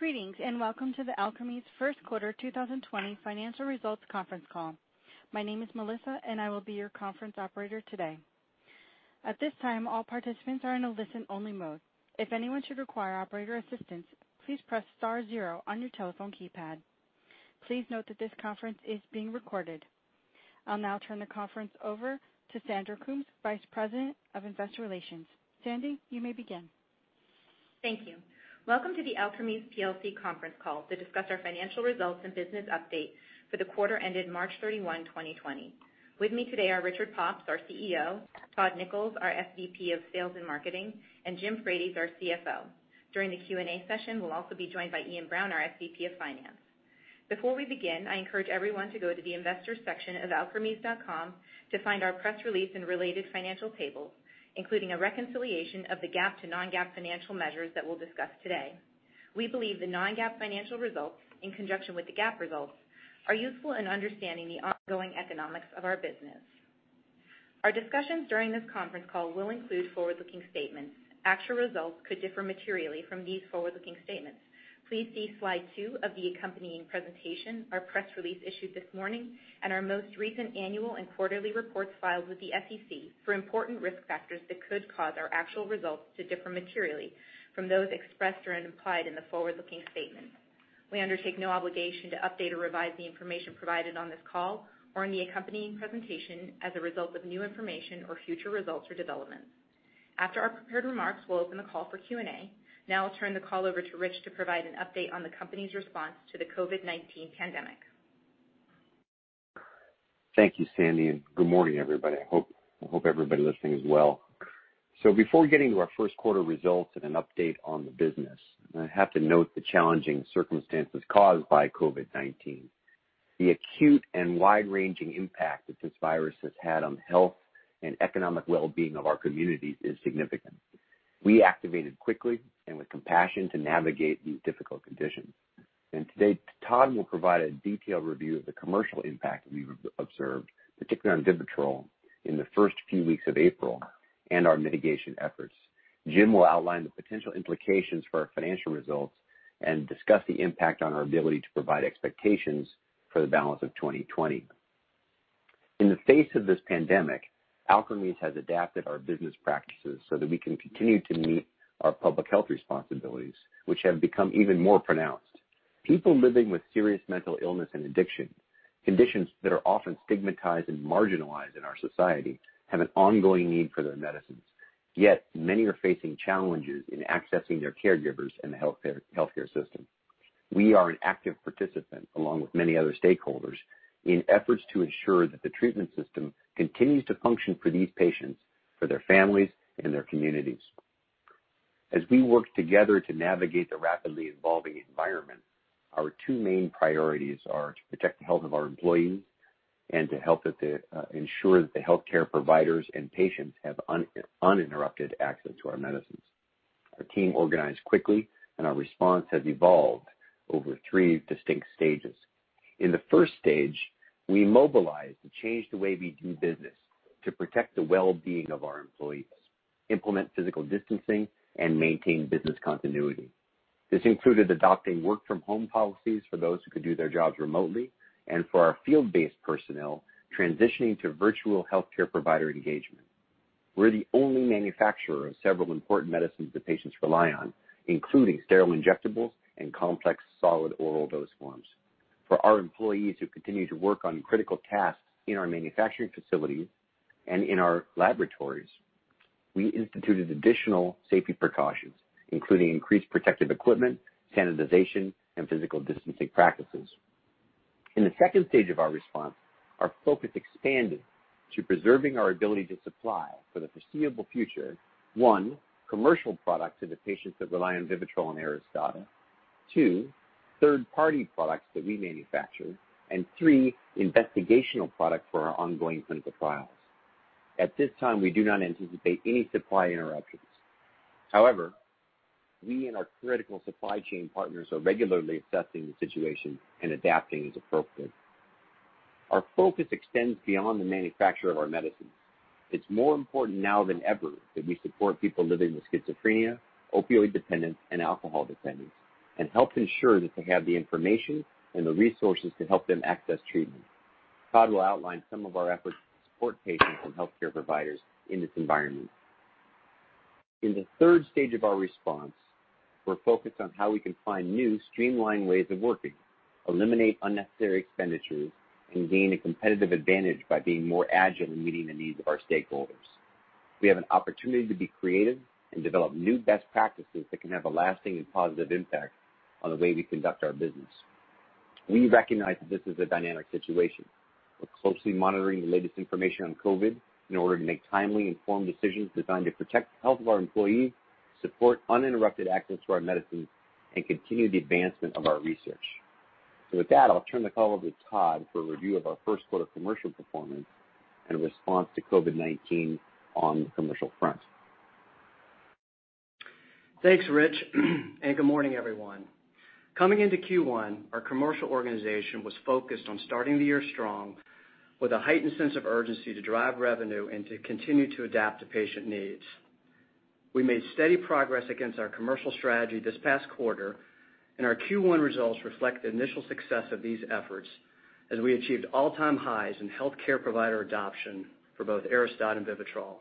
Greetings, welcome to the Alkermes first quarter 2020 financial results conference call. My name is Melissa, and I will be your conference operator today. At this time, all participants are in a listen-only mode. If anyone should require operator assistance, please press star zero on your telephone keypad. Please note that this conference is being recorded. I'll now turn the conference over to Sandy Coombs, Vice President of Investor Relations. Sandy, you may begin. Thank you. Welcome to the Alkermes plc conference call to discuss our financial results and business updates for the quarter ended March 31, 2020. With me today are Richard Pops, our CEO, Todd Nichols, our SVP of Sales and Marketing, and Jim Frates, our CFO. During the Q&A session, we'll also be joined by Iain Brown, our SVP of Finance. Before we begin, I encourage everyone to go to the investors section of alkermes.com to find our press release and related financial tables, including a reconciliation of the GAAP to non-GAAP financial measures that we'll discuss today. We believe the non-GAAP financial results, in conjunction with the GAAP results, are useful in understanding the ongoing economics of our business. Our discussions during this conference call will include forward-looking statements. Actual results could differ materially from these forward-looking statements. Please see Slide two of the accompanying presentation, our press release issued this morning, and our most recent annual and quarterly reports filed with the SEC for important risk factors that could cause our actual results to differ materially from those expressed or implied in the forward-looking statement. We undertake no obligation to update or revise the information provided on this call or in the accompanying presentation as a result of new information or future results or developments. After our prepared remarks, we'll open the call for Q&A. Now I'll turn the call over to Rich to provide an update on the company's response to the COVID-19 pandemic. Thank you, Sandy. Good morning, everybody. I hope everybody listening is well. Before getting to our first quarter results and an update on the business, I have to note the challenging circumstances caused by COVID-19. The acute and wide-ranging impact that this virus has had on the health and economic well-being of our communities is significant. We activated quickly and with compassion to navigate these difficult conditions. Today, Todd will provide a detailed review of the commercial impact we've observed, particularly on VIVITROL in the first few weeks of April and our mitigation efforts. Jim will outline the potential implications for our financial results and discuss the impact on our ability to provide expectations for the balance of 2020. In the face of this pandemic, Alkermes has adapted our business practices so that we can continue to meet our public health responsibilities, which have become even more pronounced. People living with serious mental illness and addiction, conditions that are often stigmatized and marginalized in our society, have an ongoing need for their medicines. Yet many are facing challenges in accessing their caregivers and the healthcare system. We are an active participant, along with many other stakeholders, in efforts to ensure that the treatment system continues to function for these patients, for their families, and their communities. As we work together to navigate the rapidly evolving environment, our two main priorities are to protect the health of our employees and to ensure that the healthcare providers and patients have uninterrupted access to our medicines. Our team organized quickly, and our response has evolved over three distinct stages. In the first stage, we mobilized to change the way we do business to protect the well-being of our employees, implement physical distancing, and maintain business continuity. This included adopting work-from-home policies for those who could do their jobs remotely, and for our field-based personnel, transitioning to virtual healthcare provider engagement. We're the only manufacturer of several important medicines that patients rely on, including sterile injectables and complex solid oral dose forms. For our employees who continue to work on critical tasks in our manufacturing facilities and in our laboratories, we instituted additional safety precautions, including increased protective equipment, sanitization, and physical distancing practices. In the second stage of our response, our focus expanded to preserving our ability to supply for the foreseeable future, one, commercial products to the patients that rely on VIVITROL and ARISTADA, two, third-party products that we manufacture, and three, investigational product for our ongoing clinical trials. At this time, we do not anticipate any supply interruptions. However, we and our critical supply chain partners are regularly assessing the situation and adapting as appropriate. Our focus extends beyond the manufacture of our medicines. It's more important now than ever that we support people living with schizophrenia, opioid dependence, and alcohol dependence and help ensure that they have the information and the resources to help them access treatment. Todd will outline some of our efforts to support patients and healthcare providers in this environment. In the third stage of our response, we're focused on how we can find new streamlined ways of working, eliminate unnecessary expenditures, and gain a competitive advantage by being more agile in meeting the needs of our stakeholders. We have an opportunity to be creative and develop new best practices that can have a lasting and positive impact on the way we conduct our business. We recognize that this is a dynamic situation. We're closely monitoring the latest information on COVID in order to make timely, informed decisions designed to protect the health of our employees, support uninterrupted access to our medicines, and continue the advancement of our research. With that, I'll turn the call over to Todd for a review of our first quarter commercial performance and response to COVID-19 on the commercial front. Thanks, Rich, and good morning, everyone. Coming into Q1, our commercial organization was focused on starting the year strong. With a heightened sense of urgency to drive revenue and to continue to adapt to patient needs. We made steady progress against our commercial strategy this past quarter, and our Q1 results reflect the initial success of these efforts as we achieved all-time highs in healthcare provider adoption for both ARISTADA and VIVITROL.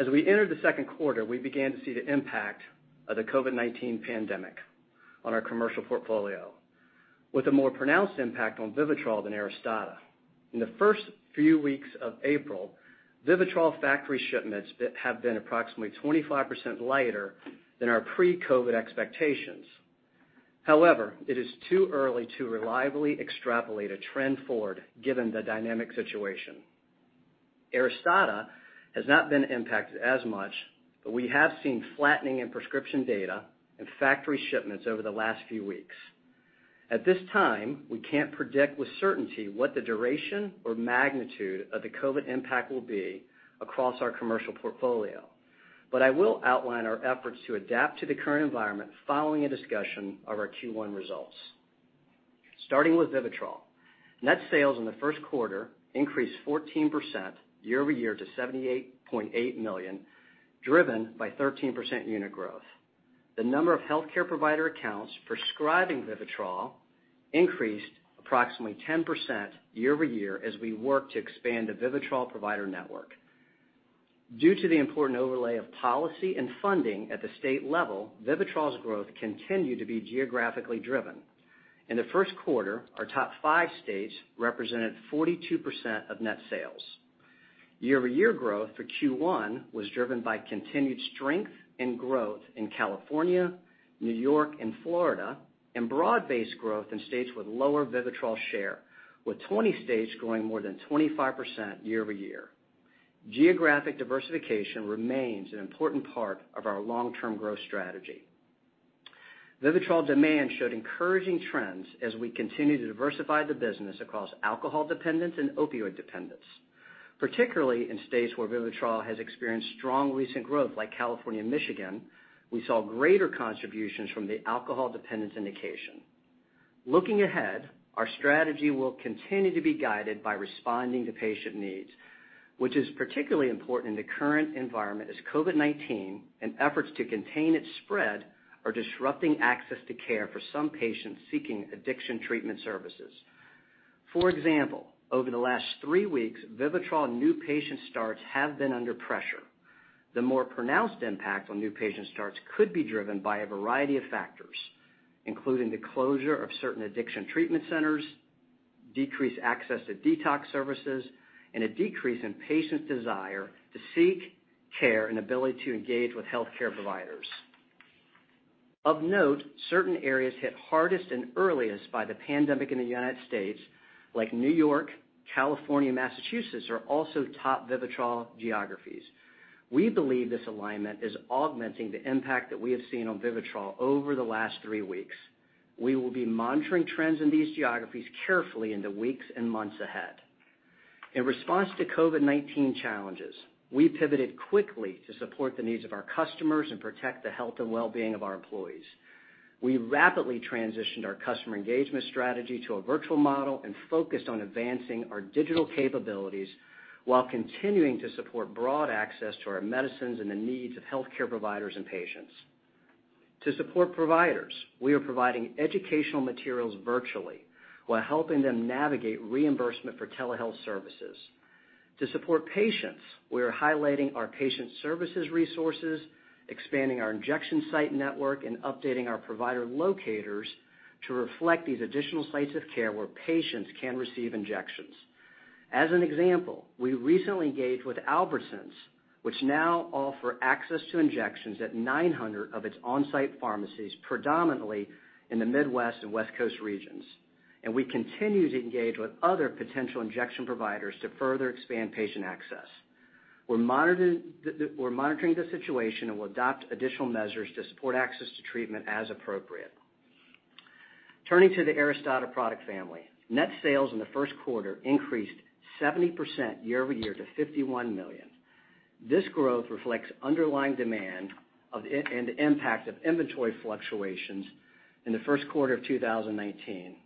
As we entered the second quarter, we began to see the impact of the COVID-19 pandemic on our commercial portfolio, with a more pronounced impact on VIVITROL than ARISTADA. In the first few weeks of April, VIVITROL factory shipments have been approximately 25% lighter than our pre-COVID expectations. It is too early to reliably extrapolate a trend forward given the dynamic situation. ARISTADA has not been impacted as much, but we have seen flattening in prescription data and factory shipments over the last few weeks. At this time, we can't predict with certainty what the duration or magnitude of the COVID-19 impact will be across our commercial portfolio. I will outline our efforts to adapt to the current environment following a discussion of our Q1 results. Starting with VIVITROL, net sales in the first quarter increased 14% year-over-year to $78.8 million, driven by 13% unit growth. The number of healthcare provider accounts prescribing VIVITROL increased approximately 10% year-over-year as we work to expand the VIVITROL provider network. Due to the important overlay of policy and funding at the state level, VIVITROL's growth continued to be geographically driven. In the first quarter, our top five states represented 42% of net sales. Year-over-year growth for Q1 was driven by continued strength and growth in California, New York, and Florida, and broad-based growth in states with lower VIVITROL share, with 20 states growing more than 25% year-over-year. Geographic diversification remains an important part of our long-term growth strategy. VIVITROL demand showed encouraging trends as we continue to diversify the business across alcohol dependence and opioid dependence. Particularly in states where VIVITROL has experienced strong recent growth, like California and Michigan, we saw greater contributions from the alcohol dependence indication. Looking ahead, our strategy will continue to be guided by responding to patient needs, which is particularly important in the current environment as COVID-19 and efforts to contain its spread are disrupting access to care for some patients seeking addiction treatment services. For example, over the last three weeks, VIVITROL new patient starts have been under pressure. The more pronounced impact on new patient starts could be driven by a variety of factors, including the closure of certain addiction treatment centers, decreased access to detox services, and a decrease in patients' desire to seek care and ability to engage with healthcare providers. Of note, certain areas hit hardest and earliest by the pandemic in the United States, like New York, California, Massachusetts, are also top VIVITROL geographies. We believe this alignment is augmenting the impact that we have seen on VIVITROL over the last three weeks. We will be monitoring trends in these geographies carefully in the weeks and months ahead. In response to COVID-19 challenges, we pivoted quickly to support the needs of our customers and protect the health and wellbeing of our employees. We rapidly transitioned our customer engagement strategy to a virtual model and focused on advancing our digital capabilities while continuing to support broad access to our medicines and the needs of healthcare providers and patients. To support providers, we are providing educational materials virtually while helping them navigate reimbursement for telehealth services. To support patients, we are highlighting our patient services resources, expanding our injection site network, and updating our provider locators to reflect these additional sites of care where patients can receive injections. As an example, we recently engaged with Albertsons, which now offer access to injections at 900 of its on-site pharmacies, predominantly in the Midwest and West Coast regions. We continue to engage with other potential injection providers to further expand patient access. We're monitoring the situation and will adopt additional measures to support access to treatment as appropriate. Turning to the ARISTADA product family. Net sales in the first quarter increased 70% year-over-year to $51 million. This growth reflects underlying demand and the impact of inventory fluctuations in the first quarter of 2019.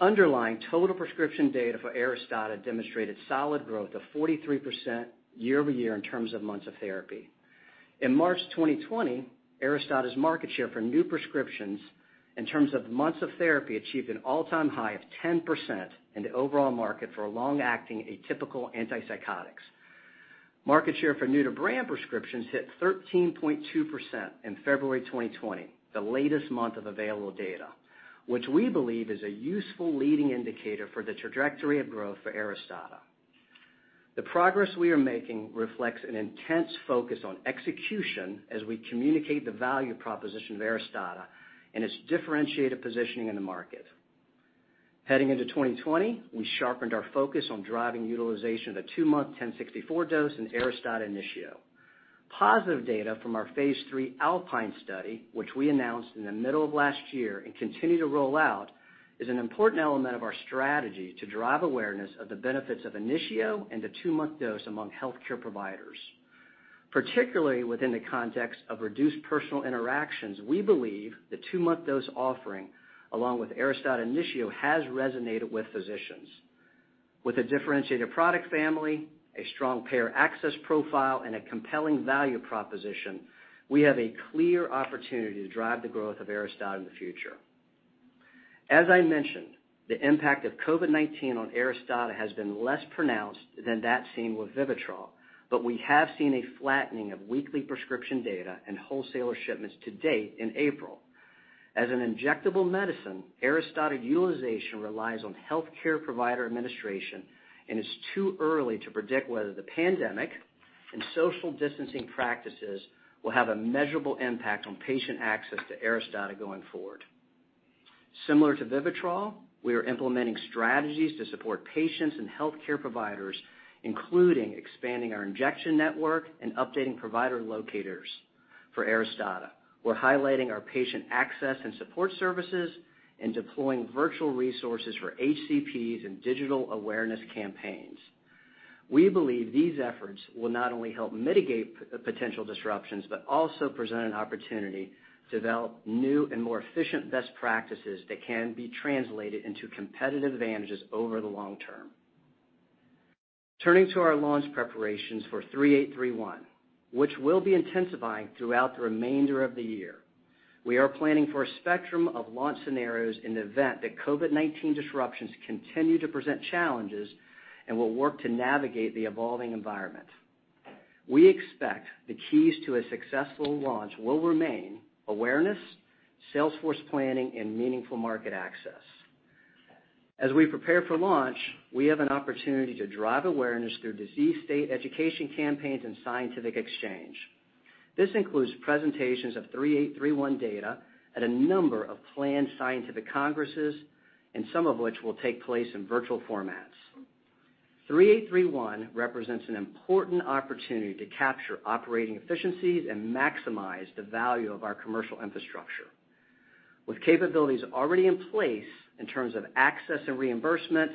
Underlying total prescription data for ARISTADA demonstrated solid growth of 43% year-over-year in terms of months of therapy. In March 2020, ARISTADA's market share for new prescriptions in terms of months of therapy achieved an all-time high of 10% in the overall market for long-acting atypical antipsychotics. Market share for new-to-brand prescriptions hit 13.2% in February 2020, the latest month of available data, which we believe is a useful leading indicator for the trajectory of growth for ARISTADA. The progress we are making reflects an intense focus on execution as we communicate the value proposition of ARISTADA and its differentiated positioning in the market. Heading into 2020, we sharpened our focus on driving utilization of the two-month 1064 dose in ARISTADA INITIO. Positive data from our Phase III ALPINE study, which we announced in the middle of last year and continue to roll out, is an important element of our strategy to drive awareness of the benefits of INITIO and the two-month dose among healthcare providers. Particularly within the context of reduced personal interactions, we believe the two-month dose offering, along with ARISTADA INITIO, has resonated with physicians. With a differentiated product family, a strong payer access profile, and a compelling value proposition, we have a clear opportunity to drive the growth of ARISTADA in the future. As I mentioned, the impact of COVID-19 on ARISTADA has been less pronounced than that seen with VIVITROL, but we have seen a flattening of weekly prescription data and wholesaler shipments to date in April. As an injectable medicine, ARISTADA utilization relies on healthcare provider administration and it's too early to predict whether the pandemic and social distancing practices will have a measurable impact on patient access to ARISTADA going forward. Similar to VIVITROL, we are implementing strategies to support patients and healthcare providers, including expanding our injection network and updating provider locators for ARISTADA. We're highlighting our patient access and support services and deploying virtual resources for HCPs and digital awareness campaigns. We believe these efforts will not only help mitigate potential disruptions, but also present an opportunity to develop new and more efficient best practices that can be translated into competitive advantages over the long term. Turning to our launch preparations for 3831, which we'll be intensifying throughout the remainder of the year. We are planning for a spectrum of launch scenarios in the event that COVID-19 disruptions continue to present challenges and will work to navigate the evolving environment. We expect the keys to a successful launch will remain awareness, sales force planning, and meaningful market access. As we prepare for launch, we have an opportunity to drive awareness through disease state education campaigns and scientific exchange. This includes presentations of 3831 data at a number of planned scientific congresses, and some of which will take place in virtual formats. 3831 represents an important opportunity to capture operating efficiencies and maximize the value of our commercial infrastructure. With capabilities already in place in terms of access and reimbursement,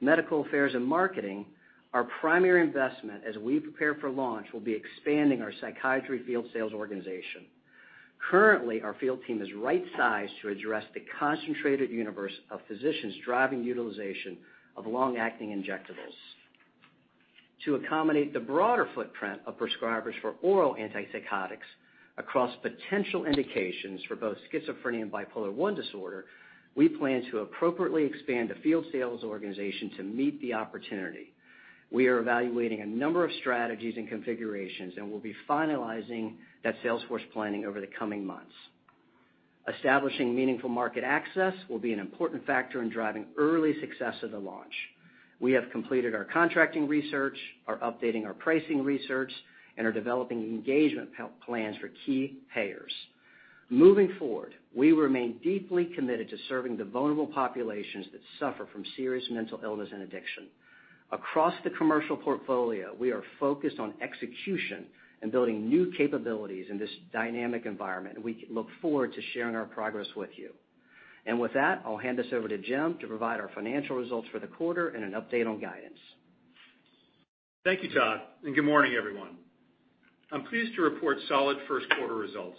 medical affairs, and marketing, our primary investment as we prepare for launch will be expanding our psychiatry field sales organization. Currently, our field team is right-sized to address the concentrated universe of physicians driving utilization of long-acting injectables. To accommodate the broader footprint of prescribers for oral antipsychotics across potential indications for both schizophrenia and bipolar I disorder, we plan to appropriately expand the field sales organization to meet the opportunity. We are evaluating a number of strategies and configurations, and we'll be finalizing that sales force planning over the coming months. Establishing meaningful market access will be an important factor in driving early success of the launch. We have completed our contracting research, are updating our pricing research, and are developing engagement plans for key payers. Moving forward, we remain deeply committed to serving the vulnerable populations that suffer from serious mental illness and addiction. Across the commercial portfolio, we are focused on execution and building new capabilities in this dynamic environment. We look forward to sharing our progress with you. With that, I'll hand this over to Jim to provide our financial results for the quarter and an update on guidance. Thank you, Todd, and good morning, everyone. I'm pleased to report solid first quarter results.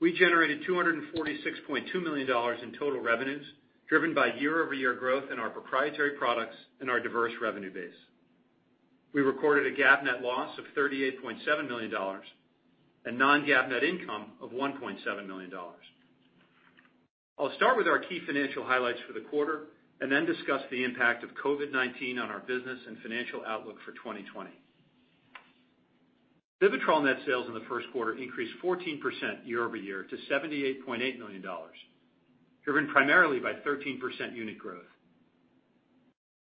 We generated $246.2 million in total revenues, driven by year-over-year growth in our proprietary products and our diverse revenue base. We recorded a GAAP net loss of $38.7 million and non-GAAP net income of $1.7 million. I'll start with our key financial highlights for the quarter and then discuss the impact of COVID-19 on our business and financial outlook for 2020. VIVITROL net sales in the first quarter increased 14% year-over-year to $78.8 million, driven primarily by 13% unit growth.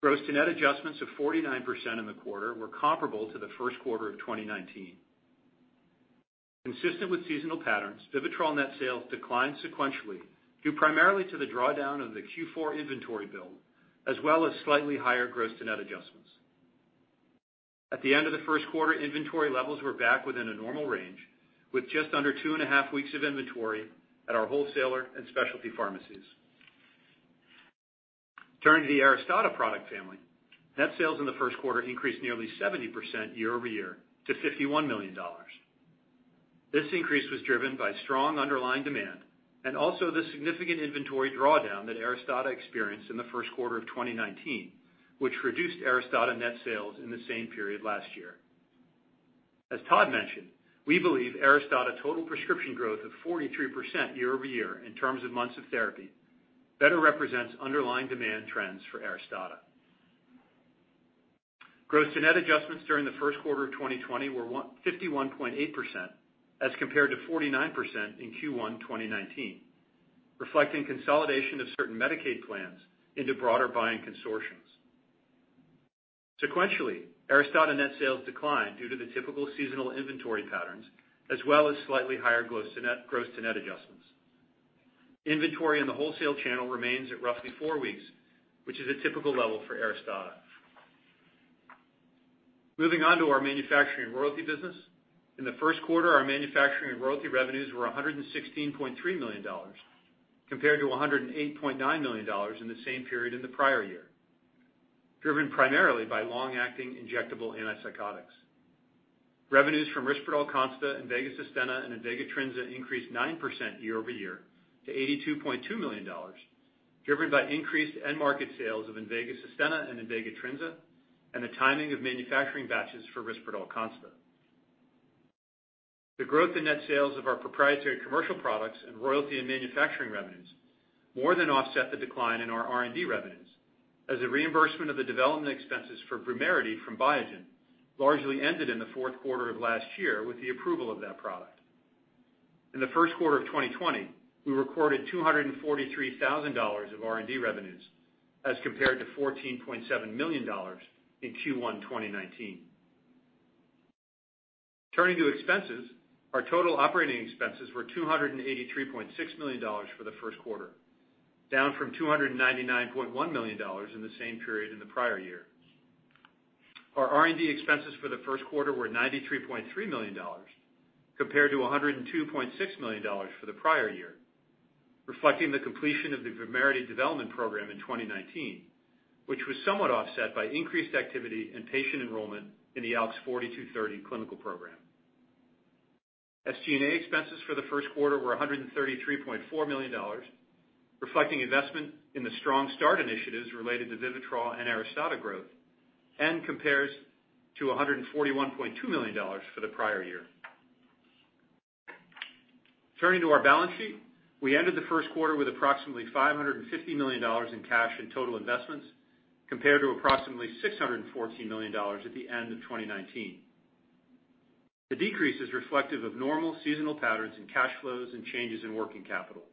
Gross to net adjustments of 49% in the quarter were comparable to the first quarter of 2019. Consistent with seasonal patterns, VIVITROL net sales declined sequentially due primarily to the drawdown of the Q4 inventory build, as well as slightly higher gross to net adjustments. At the end of the first quarter, inventory levels were back within a normal range, with just under two and a half weeks of inventory at our wholesaler and specialty pharmacies. Turning to the ARISTADA product family. Net sales in the first quarter increased nearly 70% year-over-year to $51 million. This increase was driven by strong underlying demand and also the significant inventory drawdown that ARISTADA experienced in the first quarter of 2019, which reduced ARISTADA net sales in the same period last year. As Todd mentioned, we believe ARISTADA total prescription growth of 43% year-over-year in terms of months of therapy better represents underlying demand trends for ARISTADA. Gross to net adjustments during the first quarter of 2020 were 51.8%, as compared to 49% in Q1 2019, reflecting consolidation of certain Medicaid plans into broader buying consortiums. Sequentially, ARISTADA net sales declined due to the typical seasonal inventory patterns, as well as slightly higher gross to net adjustments. Inventory in the wholesale channel remains at roughly four weeks, which is a typical level for ARISTADA. Moving on to our manufacturing royalty business. In the first quarter, our manufacturing and royalty revenues were $116.3 million compared to $108.9 million in the same period in the prior year. Driven primarily by long-acting injectable antipsychotics. Revenues from RISPERDAL CONSTA, INVEGA SUSTENNA, and INVEGA TRINZA increased 9% year-over-year to $82.2 million, driven by increased end market sales of INVEGA SUSTENNA and INVEGA TRINZA, and the timing of manufacturing batches for RISPERDAL CONSTA. The growth in net sales of our proprietary commercial products and royalty and manufacturing revenues more than offset the decline in our R&D revenues as the reimbursement of the development expenses for VUMERITY from Biogen largely ended in the fourth quarter of last year with the approval of that product. In the first quarter of 2020, we recorded $243,000 of R&D revenues as compared to $14.7 million in Q1 2019. Turning to expenses, our total operating expenses were $283.6 million for the first quarter, down from $299.1 million in the same period in the prior year. Our R&D expenses for the first quarter were $93.3 million, compared to $102.6 million for the prior year, reflecting the completion of the VUMERITY development program in 2019, which was somewhat offset by increased activity and patient enrollment in the ALKS 4230 clinical program. SG&A expenses for the first quarter were $133.4 million, reflecting investment in the strong start initiatives related to VIVITROL and ARISTADA growth and compares to $141.2 million for the prior year. Turning to our balance sheet, we ended the first quarter with approximately $550 million in cash and total investments, compared to approximately $614 million at the end of 2019. The decrease is reflective of normal seasonal patterns in cash flows and changes in working capital.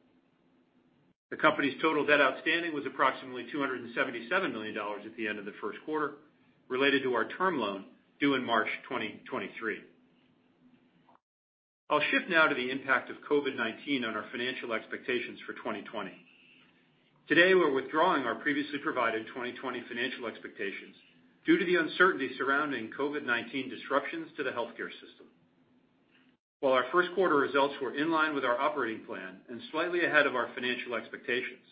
The company's total debt outstanding was approximately $277 million at the end of the first quarter, related to our term loan due in March 2023. I'll shift now to the impact of COVID-19 on our financial expectations for 2020. Today, we're withdrawing our previously provided 2020 financial expectations due to the uncertainty surrounding COVID-19 disruptions to the healthcare system. While our first quarter results were in line with our operating plan and slightly ahead of our financial expectations,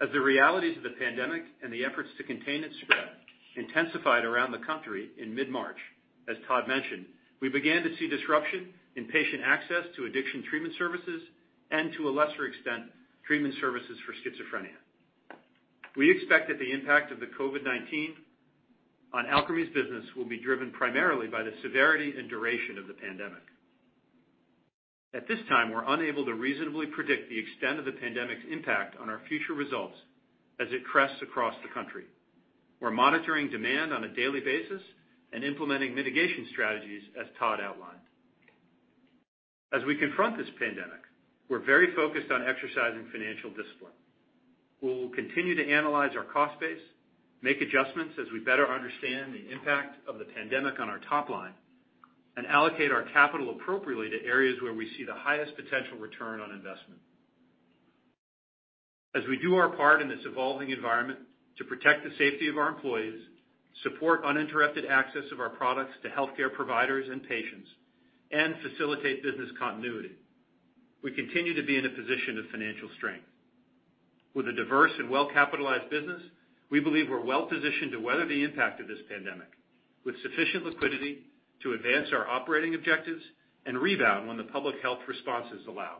as the realities of the pandemic and the efforts to contain its spread intensified around the country in mid-March, as Todd mentioned, we began to see disruption in patient access to addiction treatment services and, to a lesser extent, treatment services for schizophrenia. We expect that the impact of the COVID-19 on Alkermes business will be driven primarily by the severity and duration of the pandemic. At this time, we're unable to reasonably predict the extent of the pandemic's impact on our future results as it crests across the country. We're monitoring demand on a daily basis and implementing mitigation strategies as Todd outlined. As we confront this pandemic, we're very focused on exercising financial discipline. We will continue to analyze our cost base, make adjustments as we better understand the impact of the pandemic on our top line, and allocate our capital appropriately to areas where we see the highest potential return on investment. As we do our part in this evolving environment to protect the safety of our employees, support uninterrupted access of our products to healthcare providers and patients, and facilitate business continuity, we continue to be in a position of financial strength. With a diverse and well-capitalized business, we believe we're well positioned to weather the impact of this pandemic with sufficient liquidity to advance our operating objectives and rebound when the public health responses allow.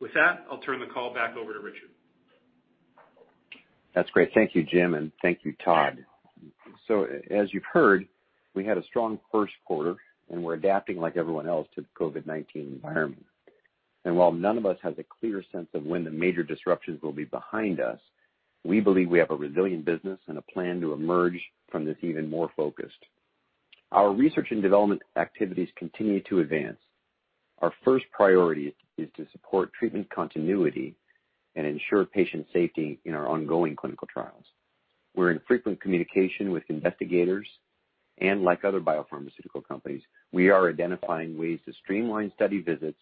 With that, I'll turn the call back over to Richard. That's great. Thank you, Jim, and thank you, Todd. As you've heard, we had a strong first quarter, and we're adapting like everyone else to the COVID-19 environment. While none of us has a clear sense of when the major disruptions will be behind us, we believe we have a resilient business and a plan to emerge from this even more focused. Our research and development activities continue to advance. Our first priority is to support treatment continuity and ensure patient safety in our ongoing clinical trials. We're in frequent communication with investigators, and like other biopharmaceutical companies, we are identifying ways to streamline study visits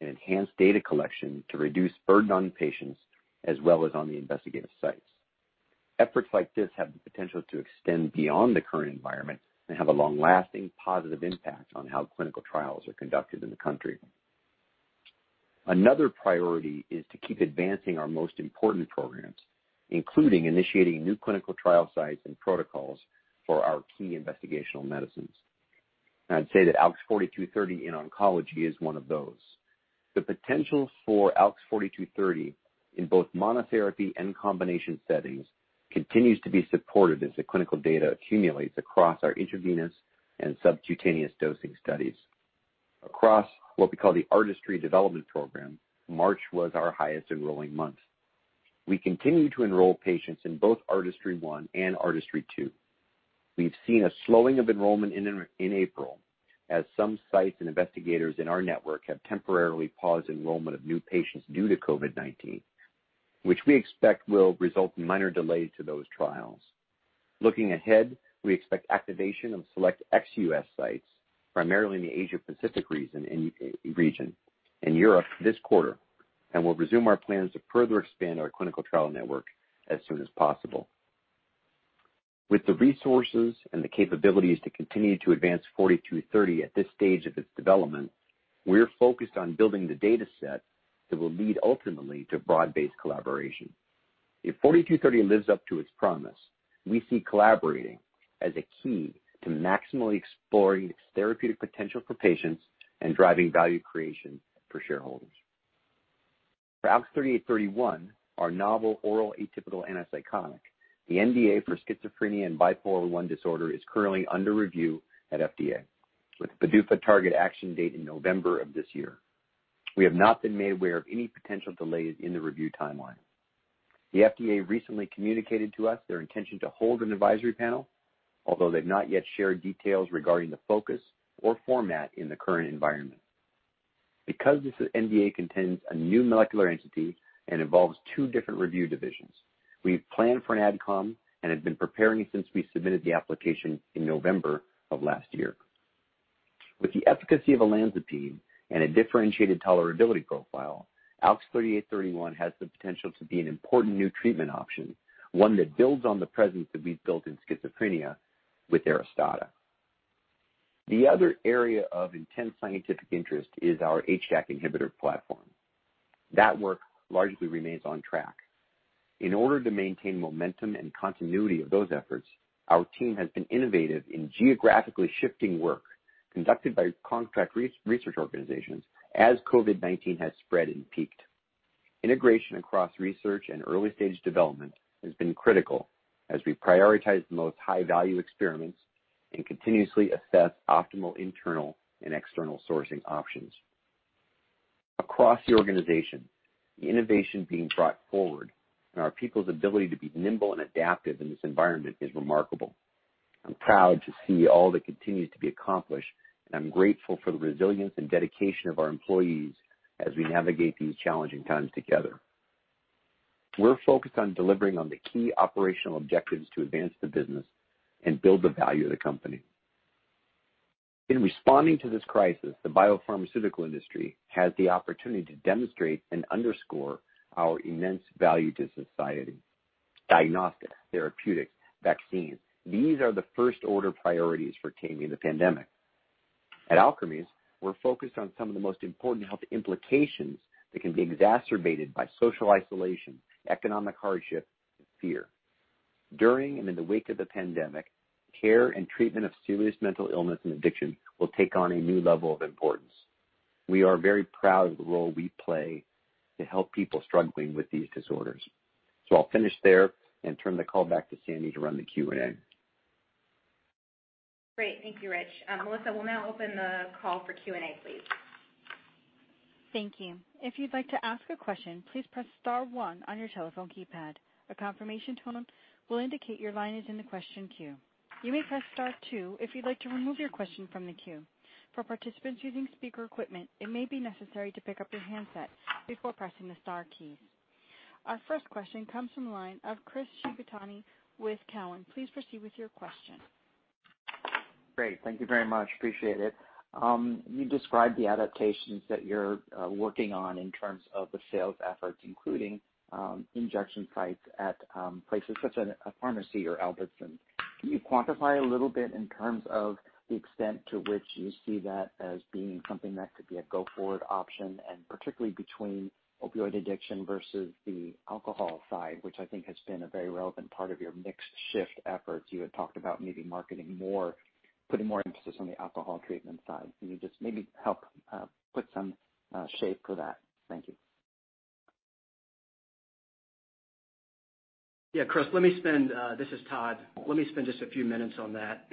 and enhance data collection to reduce burden on patients as well as on the investigative sites. Efforts like this have the potential to extend beyond the current environment and have a long-lasting positive impact on how clinical trials are conducted in the country. Another priority is to keep advancing our most important programs, including initiating new clinical trial sites and protocols for our key investigational medicines. I'd say that ALKS 4230 in oncology is one of those. The potential for ALKS 4230 in both monotherapy and combination settings continues to be supported as the clinical data accumulates across our intravenous and subcutaneous dosing studies. Across what we call the ARTISTRY development program, March was our highest enrolling month. We continue to enroll patients in both ARTISTRY-1 and ARTISTRY-2. We've seen a slowing of enrollment in April as some sites and investigators in our network have temporarily paused enrollment of new patients due to COVID-19, which we expect will result in minor delays to those trials. Looking ahead, we expect activation of select ex-U.S. sites, primarily in the Asia-Pacific region and Europe this quarter. We'll resume our plans to further expand our clinical trial network as soon as possible. With the resources and the capabilities to continue to advance 4230 at this stage of its development. We're focused on building the data set that will lead ultimately to broad-based collaboration. If 4230 lives up to its promise, we see collaborating as a key to maximally exploring its therapeutic potential for patients and driving value creation for shareholders. For ALKS 3831, our novel oral atypical antipsychotic, the NDA for schizophrenia and bipolar I disorder is currently under review at FDA, with PDUFA target action date in November of this year. We have not been made aware of any potential delays in the review timeline. The FDA recently communicated to us their intention to hold an advisory panel, although they've not yet shared details regarding the focus or format in the current environment. Because this NDA contains a new molecular entity and involves two different review divisions, we've planned for an AdCom and have been preparing since we submitted the application in November of last year. With the efficacy of olanzapine and a differentiated tolerability profile, ALKS 3831 has the potential to be an important new treatment option, one that builds on the presence that we've built in schizophrenia with ARISTADA. The other area of intense scientific interest is our HDAC inhibitor platform. That work largely remains on track. In order to maintain momentum and continuity of those efforts, our team has been innovative in geographically shifting work conducted by contract research organizations as COVID-19 has spread and peaked. Integration across research and early-stage development has been critical as we prioritize the most high-value experiments and continuously assess optimal internal and external sourcing options. Across the organization, the innovation being brought forward and our people's ability to be nimble and adaptive in this environment is remarkable. I'm proud to see all that continues to be accomplished, and I'm grateful for the resilience and dedication of our employees as we navigate these challenging times together. We're focused on delivering on the key operational objectives to advance the business and build the value of the company. In responding to this crisis, the biopharmaceutical industry has the opportunity to demonstrate and underscore our immense value to society. Diagnostics, therapeutics, vaccines. These are the first-order priorities for taming the pandemic. At Alkermes, we're focused on some of the most important health implications that can be exacerbated by social isolation, economic hardship, and fear. During and in the wake of the pandemic, care and treatment of serious mental illness and addiction will take on a new level of importance. We are very proud of the role we play to help people struggling with these disorders. I'll finish there and turn the call back to Sandy to run the Q&A. Great. Thank you, Rich. Melissa, we'll now open the call for Q&A, please. Thank you. If you'd like to ask a question, please press star one on your telephone keypad. A confirmation tone will indicate your line is in the question queue. You may press star two if you'd like to remove your question from the queue. For participants using speaker equipment, it may be necessary to pick up your handset before pressing the star keys. Our first question comes from the line of Chris Shibutani with Cowen. Please proceed with your question. Great. Thank you very much. Appreciate it. You described the adaptations that you're working on in terms of the sales efforts, including injection sites at places such as a pharmacy or Albertsons. Can you quantify a little bit in terms of the extent to which you see that as being something that could be a go-forward option, and particularly between opioid addiction versus the alcohol side, which I think has been a very relevant part of your mixed shift efforts. You had talked about maybe marketing more, putting more emphasis on the alcohol treatment side. Can you just maybe help put some shape for that? Thank you. Yeah, Chris. This is Todd. Let me spend just a few minutes on that.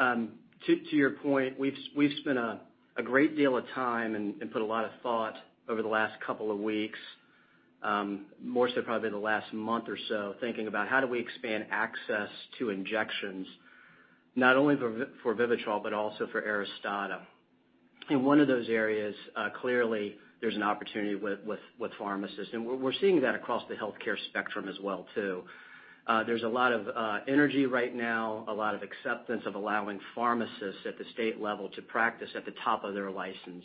To your point, we've spent a great deal of time and put a lot of thought over the last couple of weeks, more so probably the last month or so, thinking about how do we expand access to injections not only for VIVITROL but also for ARISTADA. In one of those areas, clearly, there's an opportunity with pharmacists, and we're seeing that across the healthcare spectrum as well, too. There's a lot of energy right now, a lot of acceptance of allowing pharmacists at the state level to practice at the top of their license.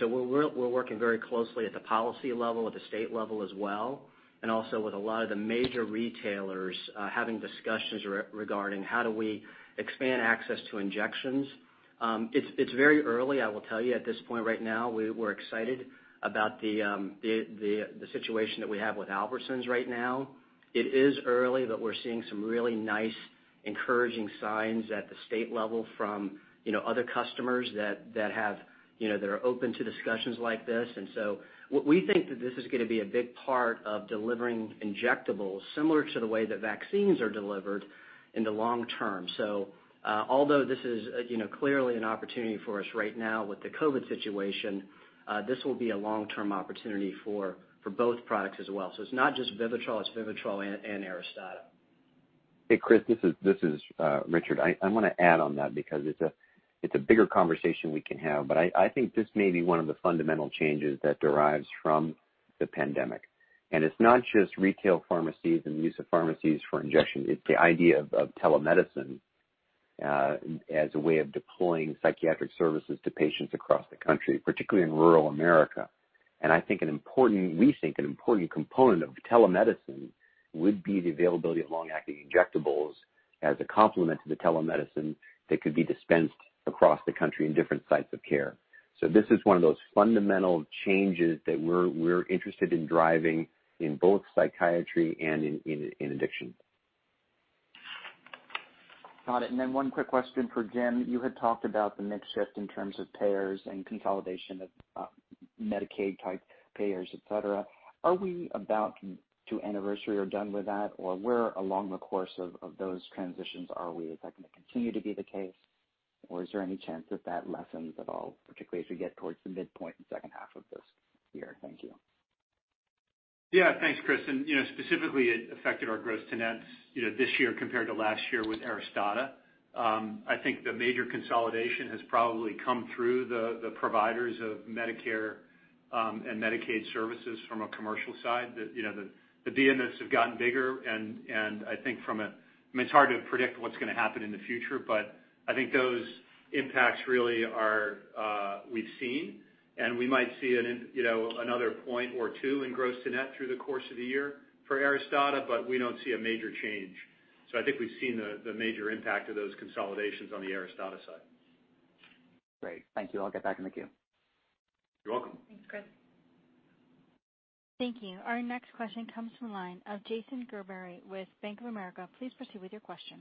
We're working very closely at the policy level, at the state level as well, and also with a lot of the major retailers, having discussions regarding how do we expand access to injections. It's very early, I will tell you, at this point right now. We're excited about the situation that we have with Albertsons right now. It is early, but we're seeing some really nice, encouraging signs at the state level from other customers that are open to discussions like this. We think that this is going to be a big part of delivering injectables similar to the way that vaccines are delivered in the long term. Although this is clearly an opportunity for us right now with the COVID situation, this will be a long-term opportunity for both products as well. It's not just VIVITROL, it's VIVITROL and ARISTADA. Hey, Chris, this is Richard. I want to add on that because it's a bigger conversation we can have, but I think this may be one of the fundamental changes that derives from the pandemic. It's not just retail pharmacies and use of pharmacies for injection. It's the idea of telemedicine as a way of deploying psychiatric services to patients across the country, particularly in rural America. I think an important component of telemedicine would be the availability of long-acting injectables as a complement to the telemedicine that could be dispensed across the country in different sites of care. This is one of those fundamental changes that we're interested in driving in both psychiatry and in addiction. Got it. Then one quick question for Jim. You had talked about the mix shift in terms of payers and consolidation of Medicaid-type payers, et cetera. Are we about to anniversary or done with that? Where along the course of those transitions are we? Is that going to continue to be the case? Is there any chance that that lessens at all, particularly as we get towards the midpoint and second half of this year? Thank you. Yeah. Thanks, Chris. Specifically, it affected our gross-to-nets this year compared to last year with ARISTADA. I think the major consolidation has probably come through the providers of Medicare and Medicaid services from a commercial side. The [IDNs] have gotten bigger, and I think it's hard to predict what's going to happen in the future, but I think those impacts really are, we've seen, and we might see another point or two in gross to net through the course of the year for ARISTADA, but we don't see a major change. I think we've seen the major impact of those consolidations on the ARISTADA side. Great. Thank you. I'll get back in the queue. You're welcome. Thanks, Chris. Thank you. Our next question comes from the line of Jason Gerberry with Bank of America. Please proceed with your question.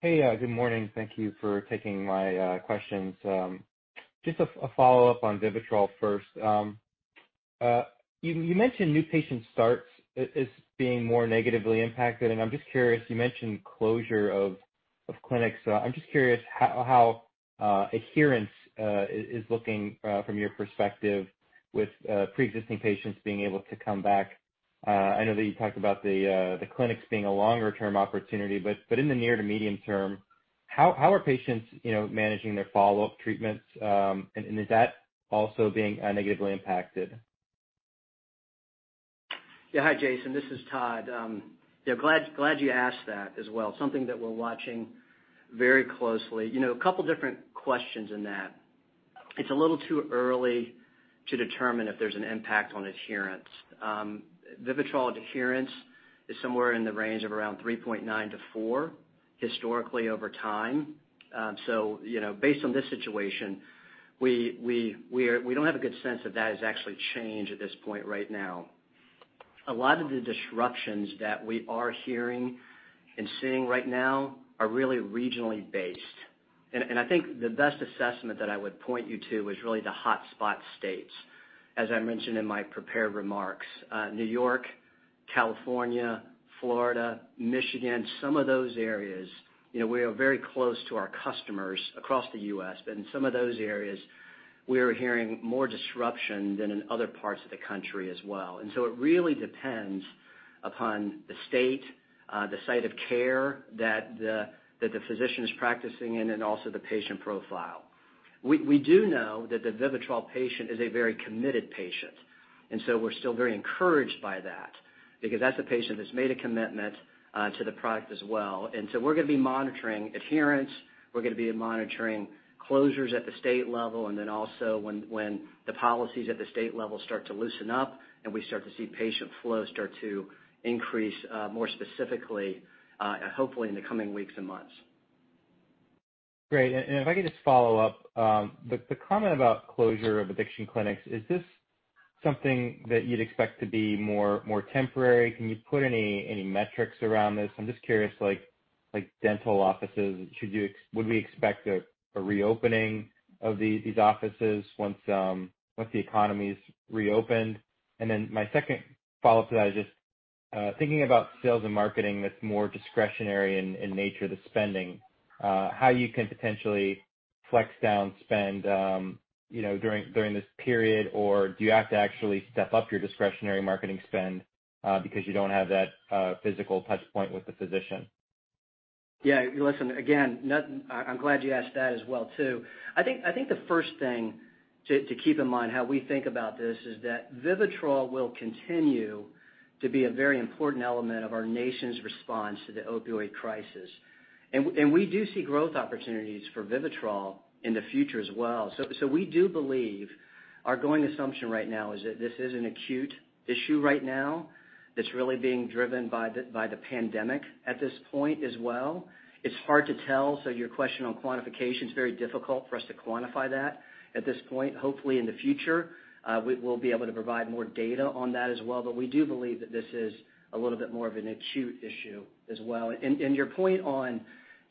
Hey, good morning. Thank you for taking my questions. Just a follow-up on VIVITROL first. You mentioned new patient starts as being more negatively impacted, and I'm just curious, you mentioned closure of clinics. I'm just curious how adherence is looking from your perspective with preexisting patients being able to come back. I know that you talked about the clinics being a longer-term opportunity, but in the near to medium term, how are patients managing their follow-up treatments, and is that also being negatively impacted? Yeah. Hi, Jason. This is Todd. Glad you asked that as well, something that we're watching very closely. A couple different questions in that. It's a little too early to determine if there's an impact on adherence. VIVITROL adherence is somewhere in the range of around 3.9 to 4 historically over time. Based on this situation, we don't have a good sense that has actually changed at this point right now. A lot of the disruptions that we are hearing and seeing right now are really regionally based. I think the best assessment that I would point you to is really the hot spot states. As I mentioned in my prepared remarks, New York, California, Florida, Michigan, some of those areas. We are very close to our customers across the U.S., but in some of those areas, we are hearing more disruption than in other parts of the country as well. It really depends upon the state, the site of care that the physician is practicing in, and also the patient profile. We do know that the VIVITROL patient is a very committed patient, and so we're still very encouraged by that because that's a patient that's made a commitment to the product as well. We're going to be monitoring adherence, we're going to be monitoring closures at the state level, and then also when the policies at the state level start to loosen up and we start to see patient flow start to increase more specifically, hopefully in the coming weeks and months. Great. If I could just follow up. The comment about closure of addiction clinics, is this something that you'd expect to be more temporary? Can you put any metrics around this? I'm just curious, like dental offices, would we expect a reopening of these offices once the economy's reopened? My second follow-up to that is just thinking about sales and marketing that's more discretionary in nature to spending, how you can potentially flex down spend during this period? Do you have to actually step up your discretionary marketing spend because you don't have that physical touchpoint with the physician? Listen, again, I'm glad you asked that as well too. I think the first thing to keep in mind how we think about this is that VIVITROL will continue to be a very important element of our nation's response to the opioid crisis. We do see growth opportunities for VIVITROL in the future as well. We do believe our going assumption right now is that this is an acute issue right now that's really being driven by the pandemic at this point as well. It's hard to tell, your question on quantification's very difficult for us to quantify that at this point. Hopefully in the future, we'll be able to provide more data on that as well. We do believe that this is a little bit more of an acute issue as well. Your point on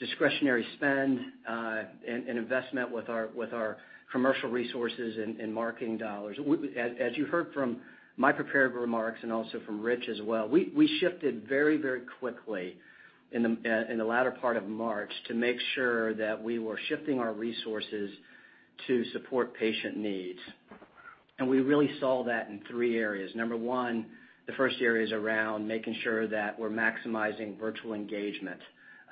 discretionary spend and investment with our commercial resources and marketing dollars. As you heard from my prepared remarks and also from Richard as well, we shifted very quickly in the latter part of March to make sure that we were shifting our resources to support patient needs. We really saw that in three areas. Number one, the first area is around making sure that we're maximizing virtual engagement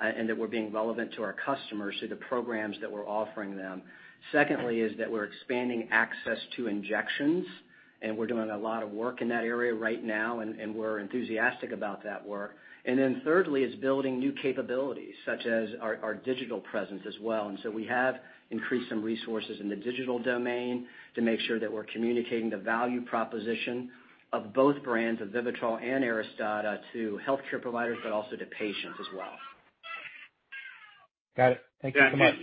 and that we're being relevant to our customers through the programs that we're offering them. Secondly, is that we're expanding access to injections. We're doing a lot of work in that area right now, and we're enthusiastic about that work. Thirdly, is building new capabilities, such as our digital presence as well. We have increased some resources in the digital domain to make sure that we're communicating the value proposition of both brands, of VIVITROL and ARISTADA, to healthcare providers, but also to patients as well. Got it. Thank you so much.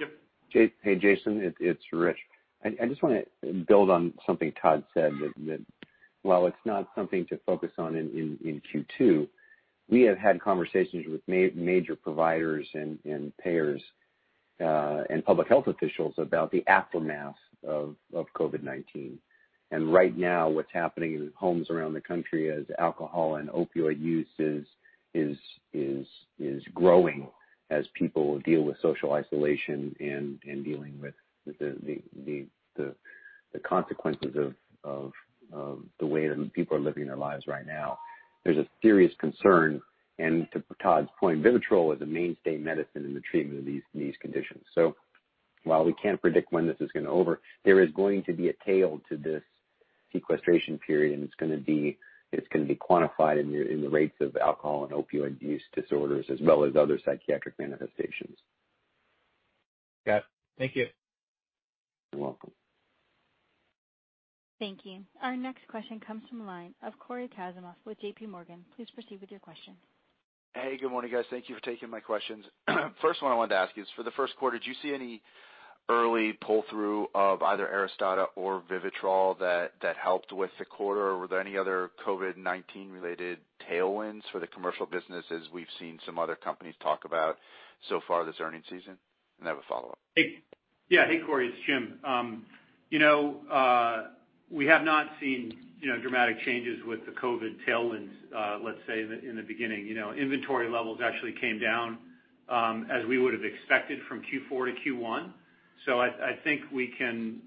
Yep. Hey, Jason, it's Rich. I just want to build on something Todd said that while it's not something to focus on in Q2, we have had conversations with major providers and payers, and public health officials about the aftermath of COVID-19. Right now, what's happening in homes around the country as alcohol and opioid use is growing as people deal with social isolation and dealing with the consequences of the way that people are living their lives right now. There's a serious concern, to Todd's point, VIVITROL is a mainstay medicine in the treatment of these conditions. While we can't predict when this is going to be over, there is going to be a tail to this sequestration period, and it's going to be quantified in the rates of alcohol and opioid use disorders, as well as other psychiatric manifestations. Got it. Thank you. You're welcome. Thank you. Our next question comes from the line of Cory Kasimov with JPMorgan. Please proceed with your question. Hey, good morning, guys. Thank you for taking my questions. First one I wanted to ask you is, for the first quarter, did you see any early pull-through of either ARISTADA or VIVITROL that helped with the quarter? Were there any other COVID-19 related tailwinds for the commercial business as we've seen some other companies talk about so far this earning season? I have a follow-up. Hey. Yeah. Hey, Cory, it's Jim. We have not seen dramatic changes with the COVID tailwinds, let's say, in the beginning. Inventory levels actually came down, as we would've expected from Q4 to Q1. I think we can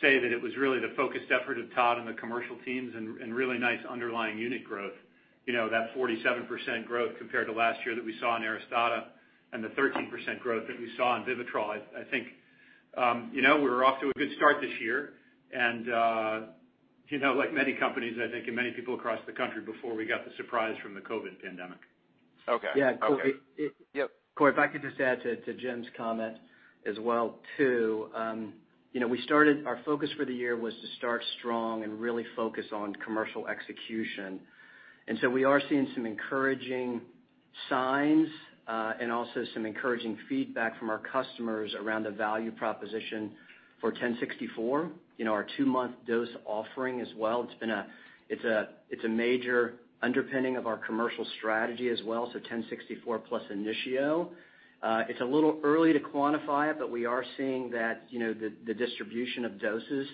say that it was really the focused effort of Todd and the commercial teams and really nice underlying unit growth. That 47% growth compared to last year that we saw in ARISTADA and the 13% growth that we saw in VIVITROL, I think we're off to a good start this year and like many companies, I think, and many people across the country before we got the surprise from the COVID pandemic. Okay. Cory, if I could just add to Jim's comment as well too. Our focus for the year was to start strong and really focus on commercial execution. We are seeing some encouraging signs, and also some encouraging feedback from our customers around the value proposition for 1064 mg our two-month dose offering as well. It's a major underpinning of our commercial strategy as well. 1064 mg plus INITIO. It's a little early to quantify it, we are seeing that the distribution of doses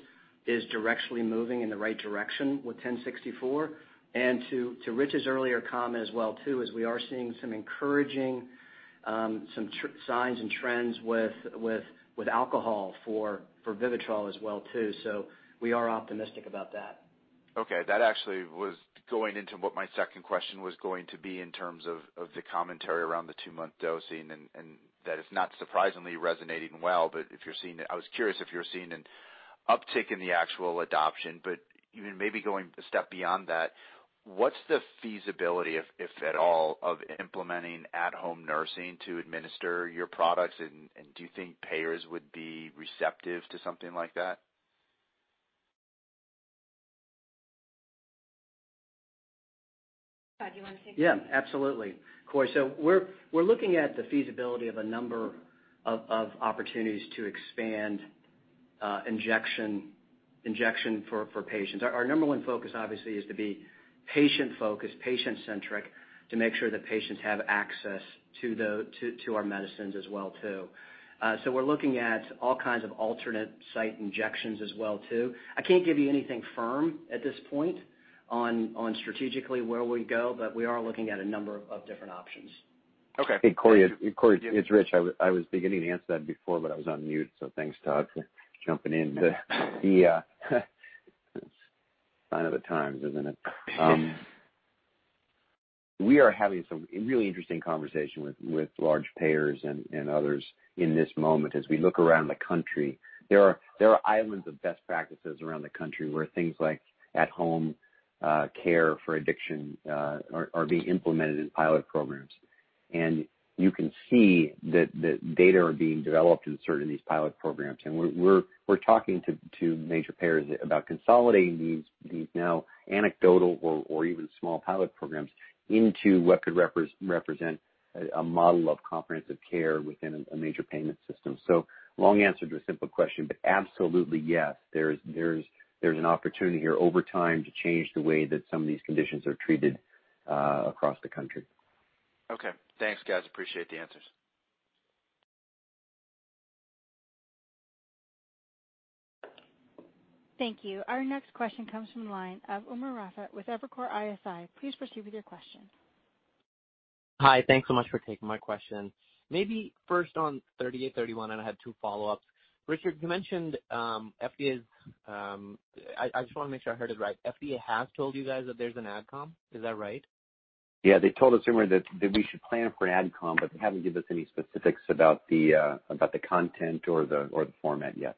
is directionally moving in the right direction with 1064 mg. To Rich's earlier comment as well too, is we are seeing some encouraging signs and trends with alcohol for VIVITROL as well too. We are optimistic about that. Okay. That actually was going into what my second question was going to be in terms of the commentary around the two-month dosing, and that it's not surprisingly resonating well. I was curious if you were seeing an uptick in the actual adoption, even maybe going a step beyond that, what's the feasibility, if at all, of implementing at-home nursing to administer your products, and do you think payers would be receptive to something like that? Todd, do you want to take that? Yeah, absolutely. Cory, we're looking at the feasibility of a number of opportunities to expand injection for patients. Our number one focus obviously is to be patient-focused, patient-centric, to make sure that patients have access to our medicines as well too. We're looking at all kinds of alternate site injections as well too. I can't give you anything firm at this point on strategically where we go, but we are looking at a number of different options. Okay. Hey Cory. It's Rich. I was beginning to answer that before, but I was on mute, thanks Todd, for jumping in. Sign of the times, isn't it? We are having some really interesting conversation with large payers and others in this moment as we look around the country. There are islands of best practices around the country where things like at-home care for addiction are being implemented as pilot programs. You can see that data are being developed in certain of these pilot programs. We're talking to major payers about consolidating these now anecdotal or even small pilot programs into what could represent a model of comprehensive care within a major payment system. Long answer to a simple question, but absolutely, yes, there's an opportunity here over time to change the way that some of these conditions are treated across the country. Okay. Thanks guys, appreciate the answers. Thank you. Our next question comes from the line of Umer Raffat with Evercore ISI. Please proceed with your question. Hi. Thanks so much for taking my question. Maybe first on 3831, and I had two follow-ups. Richard, you mentioned FDA. I just want to make sure I heard it right. FDA has told you guys that there's an AdCom, is that right? Yeah. They told us, Umer, that we should plan for an AdCom, but they haven't given us any specifics about the content or the format yet.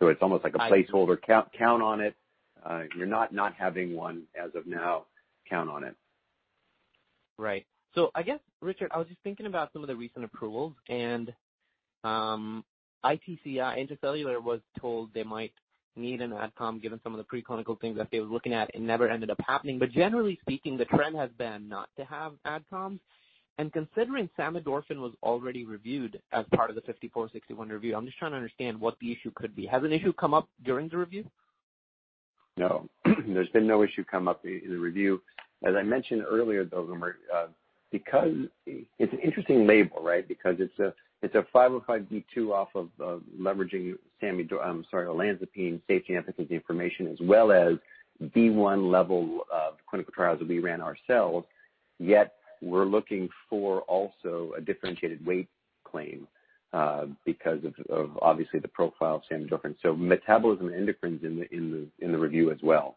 It's almost like a placeholder. Count on it. You're not not having one as of now. Count on it. Right. I guess, Richard, I was just thinking about some of the recent approvals and ITCI, Intra-Cellular, was told they might need an AdCom given some of the pre-clinical things that they were looking at, and never ended up happening. Generally speaking, the trend has been not to have AdComs. Considering samidorphan was already reviewed as part of the 5461 review, I'm just trying to understand what the issue could be. Has an issue come up during the review? No. There's been no issue come up in the review. As I mentioned earlier, though, Umer, because it's an interesting label, right? It's a 505(b)(2) off of leveraging olanzapine safety and efficacy information, as well as phase I level of clinical trials that we ran ourselves, yet we're looking for also a differentiated weight claim because of, obviously, the profile of samidorphan. Metabolism and endocrine's in the review as well.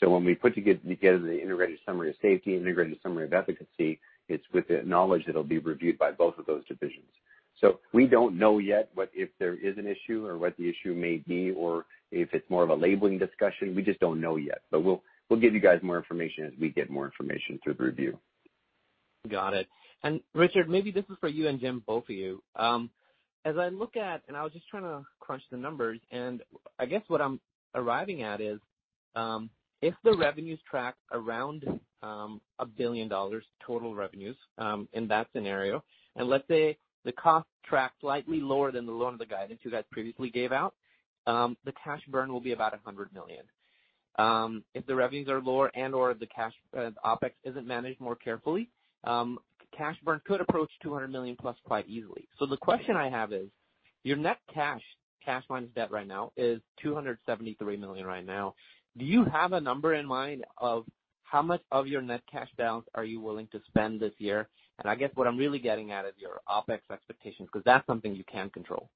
When we put together the integrated summary of safety, integrated summary of efficacy, it's with the knowledge that it'll be reviewed by both of those divisions. We don't know yet if there is an issue or what the issue may be, or if it's more of a labeling discussion. We just don't know yet. We'll give you guys more information as we get more information through the review. Got it. Richard, maybe this is for you and Jim, both of you. As I look at, and I was just trying to crunch the numbers, and I guess what I'm arriving at is, if the revenues track around $1 billion total revenues in that scenario, and let's say the cost tracks slightly lower than the lower of the guidance you guys previously gave out, the cash burn will be about $100 million. If the revenues are lower and/or the cash OpEx isn't managed more carefully, cash burn could approach $200 million+ quite easily. The question I have is, your net cash minus debt right now, is $273 million right now. Do you have a number in mind of how much of your net cash balance are you willing to spend this year? I guess what I'm really getting at is your OpEx expectations, because that's something you can control.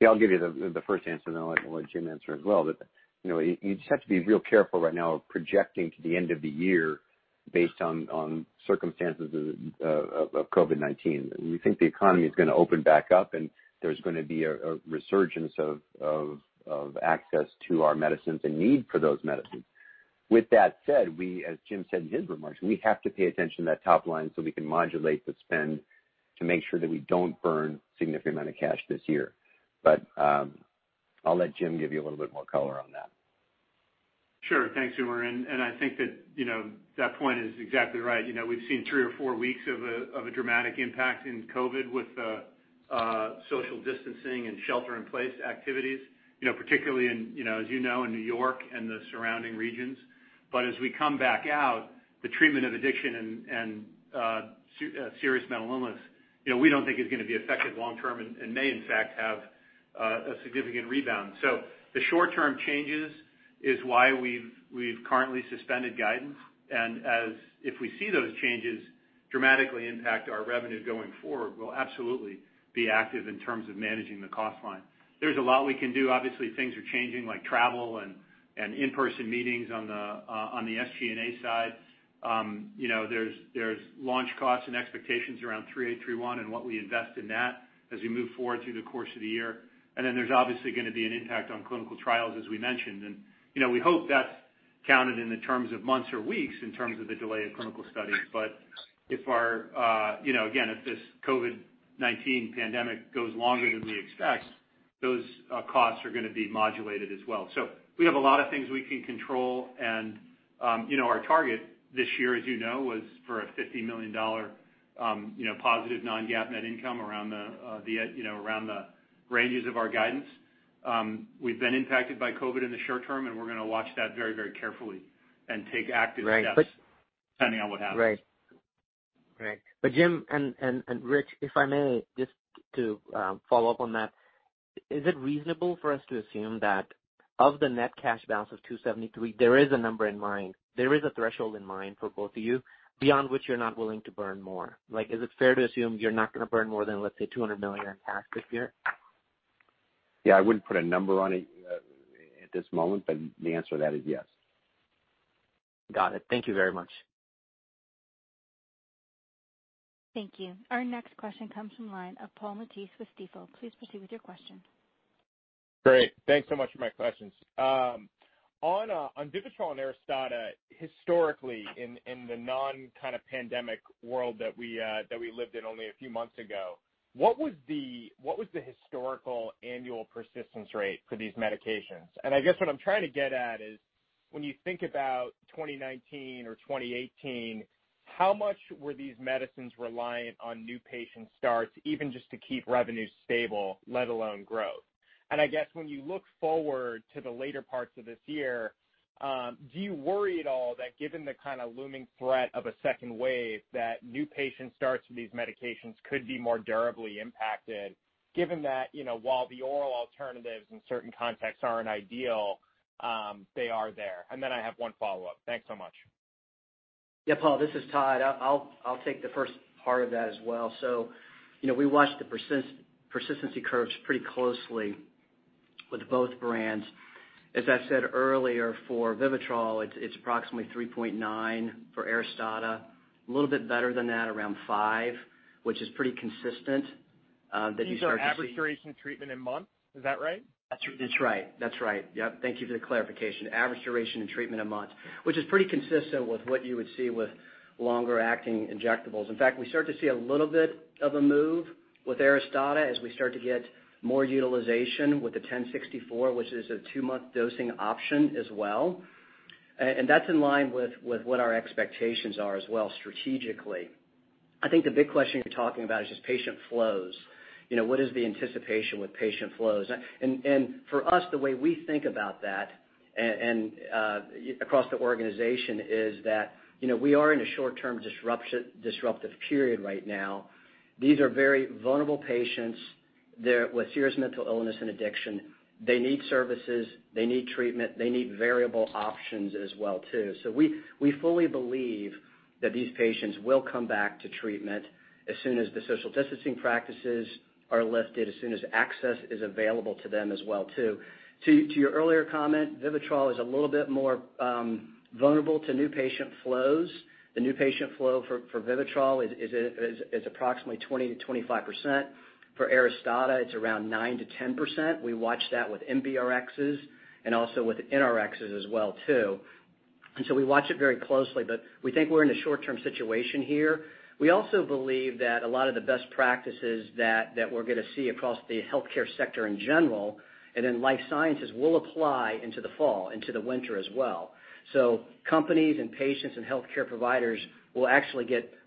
Yeah, I'll give you the first answer, and then I'll let Jim answer as well. You just have to be real careful right now of projecting to the end of the year based on circumstances of COVID-19. We think the economy is going to open back up and there's going to be a resurgence of access to our medicines and need for those medicines. With that said, we, as Jim said in his remarks, we have to pay attention to that top line so we can modulate the spend to make sure that we don't burn a significant amount of cash this year. I'll let Jim give you a little bit more color on that. Sure. Thanks, Umer, I think that point is exactly right. We've seen three or four weeks of a dramatic impact in COVID with social distancing and shelter in place activities, particularly in, as you know, in New York and the surrounding regions. As we come back out, the treatment of addiction and serious mental illness, we don't think is going to be affected long term and may, in fact, have a significant rebound. The short term changes is why we've currently suspended guidance, and if we see those changes dramatically impact our revenue going forward, we'll absolutely be active in terms of managing the cost line. There's a lot we can do. Obviously, things are changing, like travel and in-person meetings on the SG&A side. There's launch costs and expectations around 3831 and what we invest in that as we move forward through the course of the year. Then there's obviously going to be an impact on clinical trials, as we mentioned. We hope that's counted in the terms of months or weeks in terms of the delay of clinical studies. If this COVID-19 pandemic goes longer than we expect, those costs are going to be modulated as well. We have a lot of things we can control, and our target this year, as you know, was for a $50 million positive non-GAAP net income around the ranges of our guidance. We've been impacted by COVID-19 in the short term, and we're going to watch that very carefully and take active steps depending on what happens. Right. Jim and Rich, if I may, just to follow up on that, is it reasonable for us to assume that of the net cash balance of $273 million, there is a number in mind, there is a threshold in mind for both of you, beyond which you're not willing to burn more? Is it fair to assume you're not going to burn more than, let's say, $200 million in cash this year? Yeah, I wouldn't put a number on it at this moment, but the answer to that is yes. Got it. Thank you very much. Thank you. Our next question comes from the line of Paul Matteis with Stifel. Please proceed with your question. Great. Thanks so much for my questions. On VIVITROL and ARISTADA, historically, in the non kind of pandemic world that we lived in only a few months ago, what was the historical annual persistence rate for these medications? I guess what I'm trying to get at is when you think about 2019 or 2018, how much were these medicines reliant on new patient starts, even just to keep revenues stable, let alone growth? I guess when you look forward to the later parts of this year, do you worry at all that given the kind of looming threat of a second wave, that new patient starts with these medications could be more durably impacted given that while the oral alternatives in certain contexts aren't ideal, they are there? Then I have one follow-up. Thanks so much. Yeah, Paul, this is Todd. I'll take the first part of that as well. We watch the persistency curves pretty closely with both brands. As I said earlier, for VIVITROL, it's approximately 3.9. For ARISTADA, a little bit better than that, around 5, which is pretty consistent. These are average duration of treatment in months. Is that right? That's right. Yep. Thank you for the clarification. Average duration of treatment in months, which is pretty consistent with what you would see with long-acting injectables. In fact, we start to see a little bit of a move with ARISTADA as we start to get more utilization with the 1064 mg, which is a two-month dosing option as well. That's in line with what our expectations are as well strategically. I think the big question you're talking about is just patient flows. What is the anticipation with patient flows? For us, the way we think about that, and across the organization is that, we are in a short-term disruptive period right now. These are very vulnerable patients with serious mental illness and addiction. They need services. They need treatment. They need variable options as well too. We fully believe that these patients will come back to treatment as soon as the social distancing practices are lifted, as soon as access is available to them as well too. To your earlier comment, VIVITROL is a little bit more vulnerable to new patient flows. The new patient flow for VIVITROL is approximately 20%-25%. For ARISTADA, it's around 9%-10%. We watch that with NBRxs and also with NRxs as well too. We watch it very closely, but we think we're in a short-term situation here. We also believe that a lot of the best practices that we're going to see across the healthcare sector in general, and in life sciences will apply into the fall, into the winter as well. Companies and patients and healthcare providers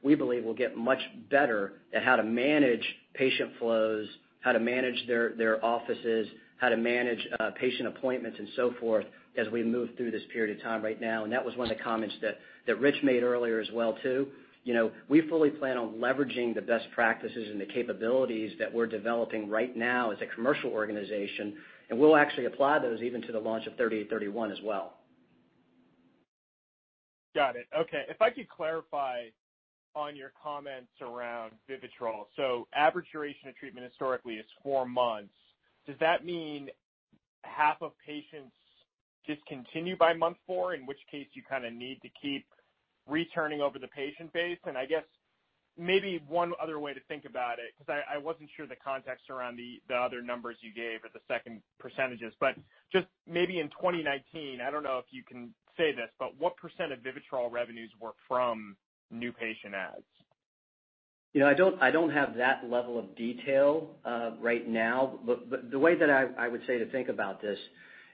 we believe, will get much better at how to manage patient flows, how to manage their offices, how to manage patient appointments and so forth as we move through this period of time right now. That was one of the comments that Rich made earlier as well too. We fully plan on leveraging the best practices and the capabilities that we're developing right now as a commercial organization, and we'll actually apply those even to the launch of 3831 as well. Got it. Okay. If I could clarify on your comments around VIVITROL. Average duration of treatment historically is four months. Does that mean half of patients discontinue by month four? In which case you kind of need to keep returning over the patient base, I guess maybe one other way to think about it, because I wasn't sure of the context around the other numbers you gave or the second percentages, just maybe in 2019, I don't know if you can say this, but what percent of VIVITROL revenues were from new patient adds? I don't have that level of detail right now. The way that I would say to think about this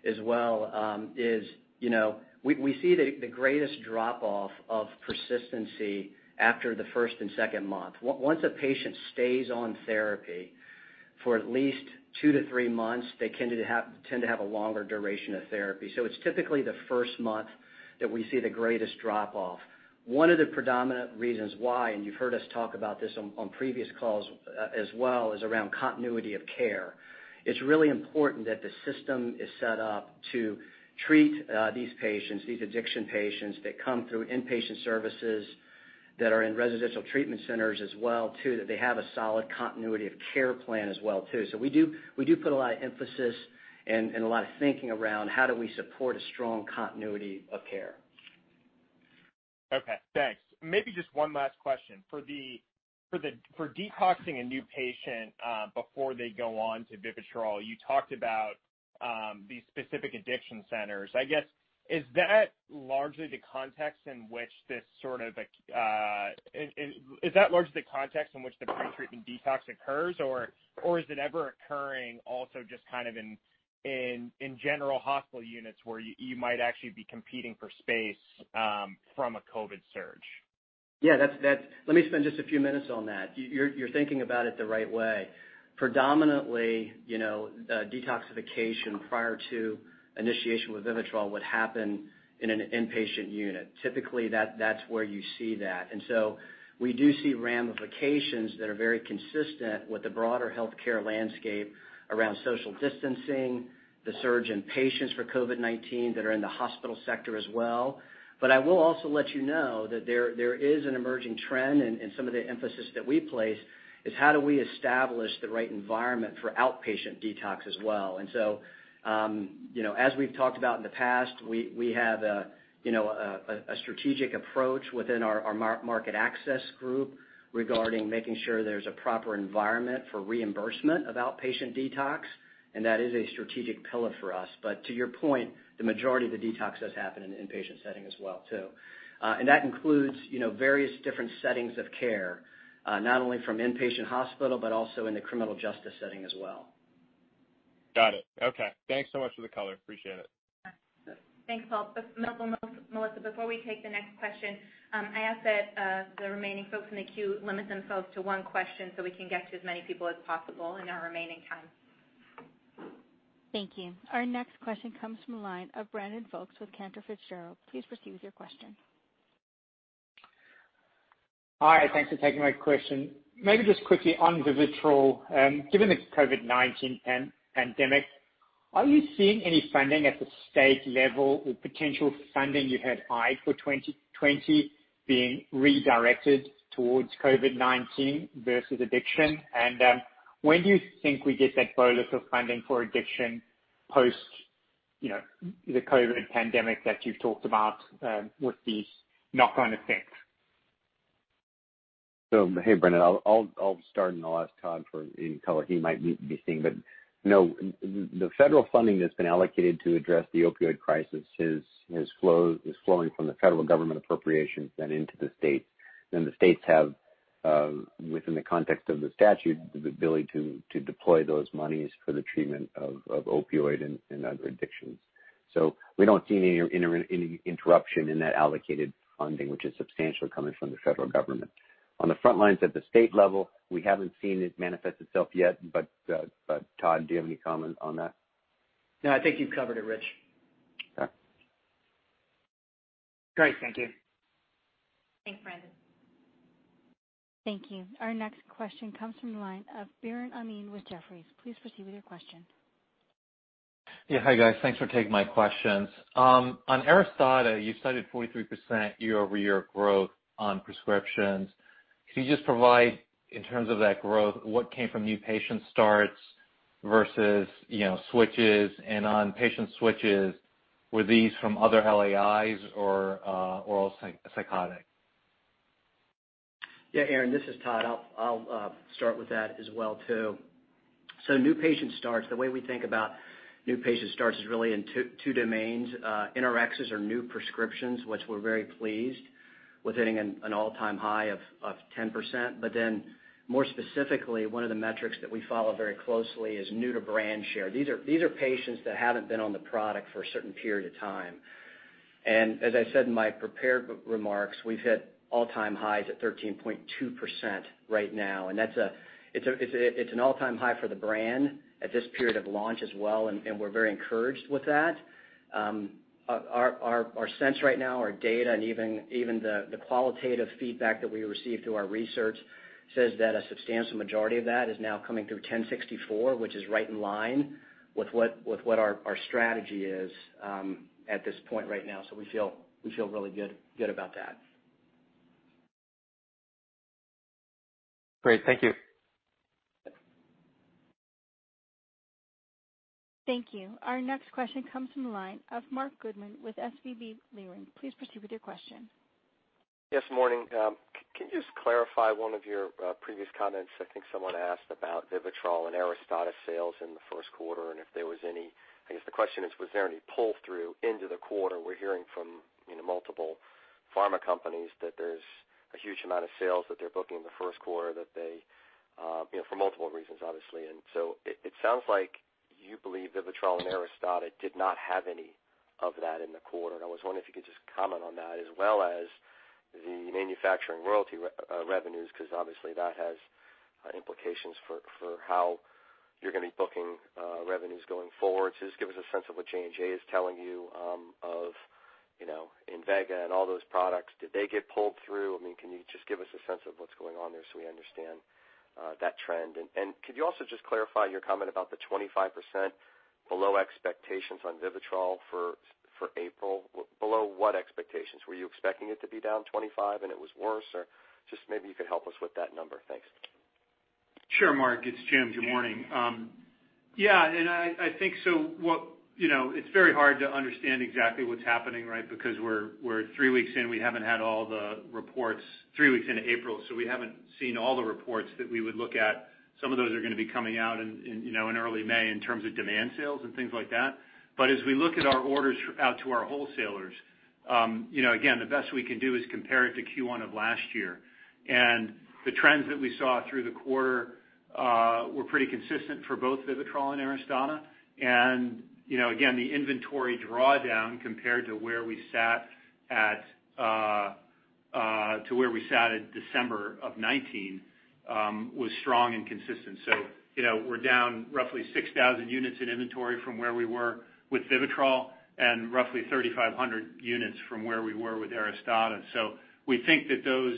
as well, is we see the greatest drop-off of persistency after the first and second month. Once a patient stays on therapy for at least two to three months, they tend to have a longer duration of therapy. It's typically the first month that we see the greatest drop-off. One of the predominant reasons why, and you've heard us talk about this on previous calls as well, is around continuity of care. It's really important that the system is set up to treat these patients, these addiction patients that come through inpatient services, that are in residential treatment centers as well too, that they have a solid continuity of care plan as well too. We do put a lot of emphasis and a lot of thinking around how do we support a strong continuity of care. Okay, thanks. Maybe just one last question. For detoxing a new patient before they go on to VIVITROL, you talked about these specific addiction centers. Is that largely the context in which the pre-treatment detox occurs or is it ever occurring also just kind of in general hospital units where you might actually be competing for space from a COVID surge? Yeah, let me spend just a few minutes on that. You're thinking about it the right way. Predominantly, detoxification prior to initiation with Vivitrol would happen in an inpatient unit. Typically, that's where you see that. We do see ramifications that are very consistent with the broader healthcare landscape around social distancing, the surge in patients for COVID-19 that are in the hospital sector as well. I will also let you know that there is an emerging trend, and some of the emphasis that we place is how do we establish the right environment for outpatient detox as well. As we've talked about in the past, we have a strategic approach within our market access group regarding making sure there's a proper environment for reimbursement of outpatient detox, and that is a strategic pillar for us. To your point, the majority of the detox does happen in an inpatient setting as well too. That includes various different settings of care, not only from inpatient hospital, but also in the criminal justice setting as well. Got it. Okay. Thanks so much for the color. Appreciate it. Thanks, Paul. Melissa, before we take the next question, I ask that the remaining folks in the queue limit themselves to one question so we can get to as many people as possible in our remaining time. Thank you. Our next question comes from the line of Brandon Folkes with Cantor Fitzgerald. Please proceed with your question. Hi. Thanks for taking my question. Maybe just quickly on VIVITROL. Given the COVID-19 pandemic, are you seeing any funding at the state level or potential funding you had eyed for 2020 being redirected towards COVID-19 versus addiction? When do you think we get that bolus of funding for addiction post the COVID pandemic that you've talked about, with these knock-on effects? Hey, Brandon. I'll start, and I'll ask Todd for any color he might be seeing. The federal funding that's been allocated to address the opioid crisis is flowing from the federal government appropriations then into the states. The states have, within the context of the statute, the ability to deploy those monies for the treatment of opioid and other addictions. We don't see any interruption in that allocated funding, which is substantially coming from the federal government. On the front lines at the state level, we haven't seen it manifest itself yet, but Todd, do you have any comment on that? No, I think you've covered it, Rich. Okay. Great. Thank you. Thanks, Brandon. Thank you. Our next question comes from the line of Biren Amin with Jefferies. Please proceed with your question. Yeah. Hi, guys. Thanks for taking my questions. On ARISTADA, you've cited 43% year-over-year growth on prescriptions. Could you just provide, in terms of that growth, what came from new patient starts versus switches? On patient switches, were these from other LAIs or oral antipsychotics? Yeah, Biren, this is Todd. I'll start with that as well too. New patient starts, the way we think about new patient starts is really in two domains. NRxs are new prescriptions, which we're very pleased with hitting an all-time high of 10%. More specifically, one of the metrics that we follow very closely is new to brand share. These are patients that haven't been on the product for a certain period of time. As I said in my prepared remarks, we've hit all-time highs at 13.2% right now, and it's an all-time high for the brand at this period of launch as well, and we're very encouraged with that. Our sense right now, our data, and even the qualitative feedback that we receive through our research says that a substantial majority of that is now coming through 1064 mg, which is right in line with what our strategy is at this point right now. We feel really good about that. Great. Thank you. Thank you. Our next question comes from the line of Marc Goodman with SVB Leerink. Please proceed with your question. Yes, morning. Can you just clarify one of your previous comments? I think someone asked about VIVITROL and ARISTADA sales in the first quarter, the question is, was there any pull-through into the quarter? We're hearing from multiple pharma companies that there's a huge amount of sales that they're booking in the first quarter for multiple reasons, obviously. It sounds like you believe VIVITROL and ARISTADA did not have any of that in the quarter. I was wondering if you could just comment on that as well as the manufacturing royalty revenues, because obviously, that has implications for how you're going to be booking revenues going forward. Just give us a sense of what J&J is telling you of INVEGA and all those products. Did they get pulled through? Can you just give us a sense of what's going on there so we understand that trend? Could you also just clarify your comment about the 25% below expectations on VIVITROL for April? Below what expectations? Were you expecting it to be down 25% and it was worse? Just maybe you could help us with that number. Thanks. Sure, Marc. It's Jim. Good morning. Yeah, I think it's very hard to understand exactly what's happening, right? We're three weeks in, we haven't had all the reports. Three weeks into April, we haven't seen all the reports that we would look at. Some of those are going to be coming out in early May in terms of demand sales and things like that. As we look at our orders out to our wholesalers, again, the best we can do is compare it to Q1 of last year. The trends that we saw through the quarter were pretty consistent for both VIVITROL and ARISTADA. Again, the inventory drawdown compared to where we sat at December of 2019, was strong and consistent. We're down roughly 6,000 units in inventory from where we were with VIVITROL, and roughly 3,500 units from where we were with ARISTADA. We think that those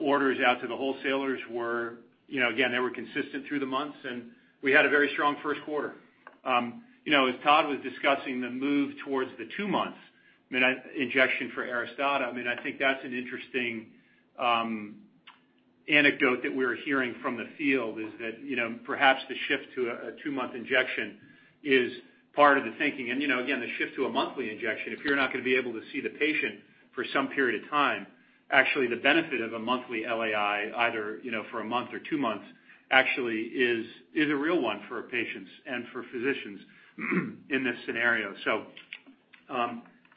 orders out to the wholesalers were, again, they were consistent through the months, and we had a very strong first quarter. As Todd was discussing the move towards the two-month injection for ARISTADA, I think that's an interesting anecdote that we're hearing from the field, is that perhaps the shift to a two-month injection is part of the thinking. Again, the shift to a monthly injection, if you're not going to be able to see the patient for some period of time, actually, the benefit of a monthly LAI, either for a month or two months, actually is a real one for our patients and for physicians in this scenario.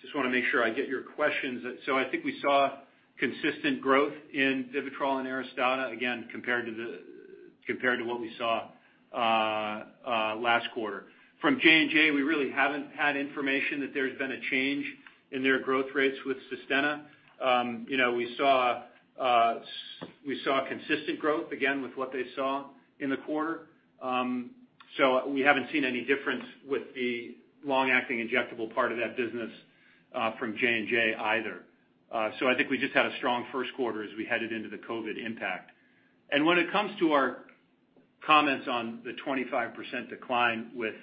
Just want to make sure I get your questions. I think we saw consistent growth in VIVITROL and ARISTADA, again, compared to what we saw last quarter. From J&J, we really haven't had information that there's been a change in their growth rates with INVEGA SUSTENNA. We saw consistent growth again with what they saw in the quarter. We haven't seen any difference with the long-acting injectable part of that business from J&J either. I think we just had a strong first quarter as we headed into the COVID-19 impact. And when it comes to our comments on the 25% decline with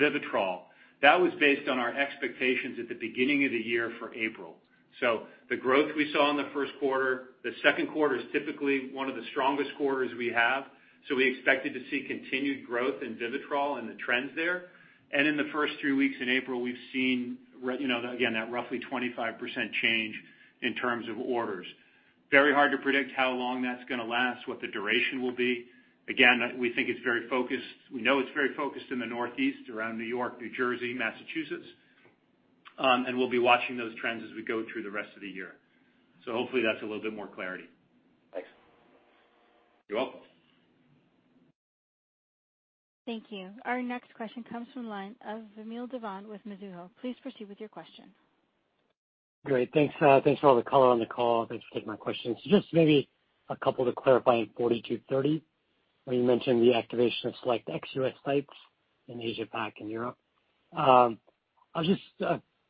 VIVITROL, that was based on our expectations at the beginning of the year for April. The growth we saw in the first quarter, the second quarter is typically one of the strongest quarters we have, so we expected to see continued growth in VIVITROL and the trends there. In the first two weeks in April, we've seen again, that roughly 25% change in terms of orders. Very hard to predict how long that's going to last, what the duration will be. Again, we know it's very focused in the northeast around New York, New Jersey, Massachusetts. We'll be watching those trends as we go through the rest of the year. Hopefully that's a little bit more clarity. Thanks. You're welcome. Thank you. Our next question comes from the line of Vamil Divan with Mizuho. Please proceed with your question. Great. Thanks for all the color on the call. Thanks for taking my question. Just maybe a couple to clarify 4230, when you mentioned the activation of select ex-U.S. sites in Asia Pac and Europe. I was just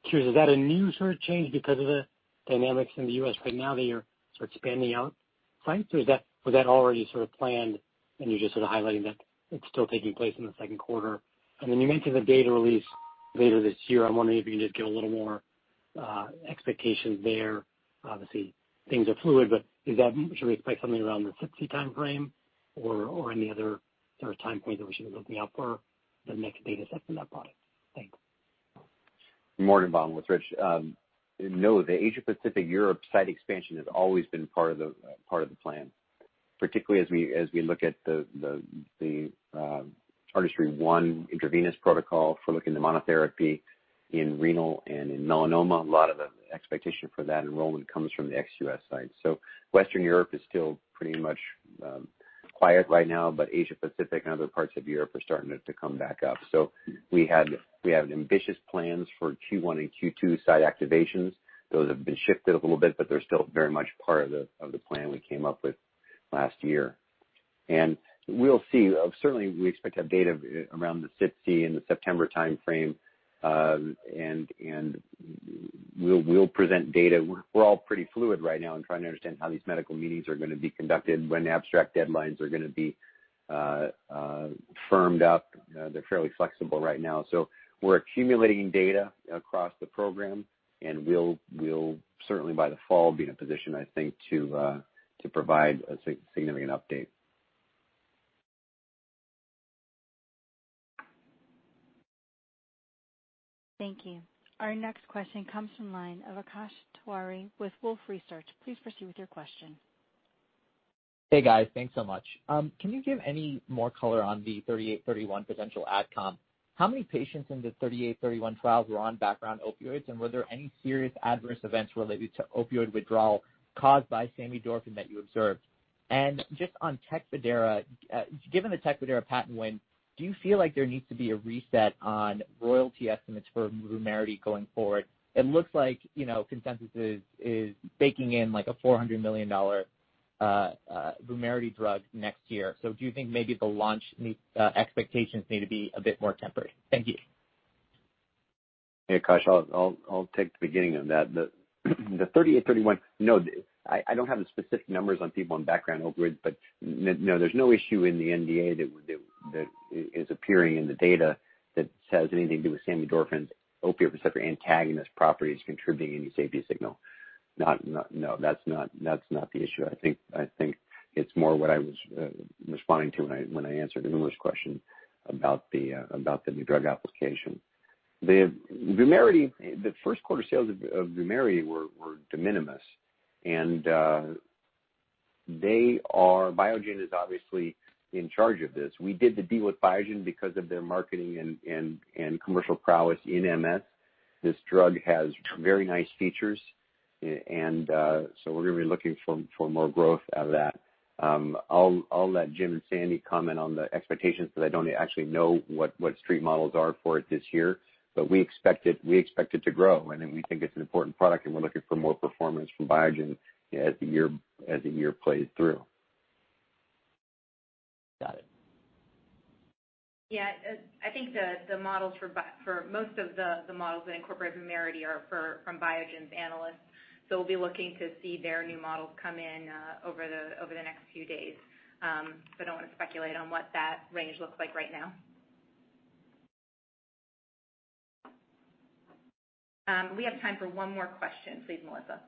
curious, is that a new sort of change because of the dynamics in the U.S. right now that you're expanding out sites, or was that already sort of planned and you're just sort of highlighting that it's still taking place in the second quarter? You mentioned the data release later this year. I'm wondering if you can just give a little more expectation there. Obviously, things are fluid, should we expect something around the SITC timeframe or any other sort of time frame that we should be looking out for the next data set for that product? Thanks. Morning, Vamil. It's Rich. No, the Asia Pacific Europe site expansion has always been part of the plan, particularly as we look at the ARTISTRY-1 intravenous protocol for looking at monotherapy in renal and in melanoma. A lot of the expectation for that enrollment comes from the ex-US sites. Western Europe is still pretty much quiet right now, but Asia Pacific and other parts of Europe are starting to come back up. We have ambitious plans for Q1 and Q2 site activations. Those have been shifted a little bit, but they're still very much part of the plan we came up with last year. We'll see. Certainly, we expect to have data around the SITC and the September timeframe, and we'll present data. We're all pretty fluid right now in trying to understand how these medical meetings are going to be conducted, when abstract deadlines are going to be firmed up. They're fairly flexible right now. We're accumulating data across the program, and we'll certainly by the fall, be in a position, I think, to provide a significant update. Thank you. Our next question comes from the line of Akash Tewari with Wolfe Research. Please proceed with your question. Hey, guys. Thanks so much. Can you give any more color on the ALKS 3831 potential AdCom? How many patients in the ALKS 3831 trials were on background opioids, and were there any serious adverse events related to opioid withdrawal caused by samidorphan that you observed? Just on TECFIDERA, given the TECFIDERA patent win, do you feel like there needs to be a reset on royalty estimates for VUMERITY going forward? It looks like consensus is baking in like a $400 million VUMERITY drug next year. Do you think maybe the launch expectations need to be a bit more tempered? Thank you. Hey, Akash. I'll take the beginning of that. The 3831, no, I don't have the specific numbers on people on background opioids, no, there's no issue in the NDA that is appearing in the data that has anything to do with samidorphan's opioid receptor antagonist properties contributing any safety signal. No, that's not the issue. I think it's more what I was responding to when I answered Umer's question about the new drug application. The first quarter sales of VUMERITY were de minimis. Biogen is obviously in charge of this. We did the deal with Biogen because of their marketing and commercial prowess in MS. This drug has very nice features. We're going to be looking for more growth out of that. I'll let Jim and Sandy comment on the expectations because I don't actually know what street models are for it this year, but we expect it to grow, and we think it's an important product and we're looking for more performance from Biogen as the year plays through. Got it. Yeah. I think most of the models that incorporate VUMERITY are from Biogen's analysts. We'll be looking to see their new models come in over the next few days. I don't want to speculate on what that range looks like right now. We have time for one more question. Please, Melissa.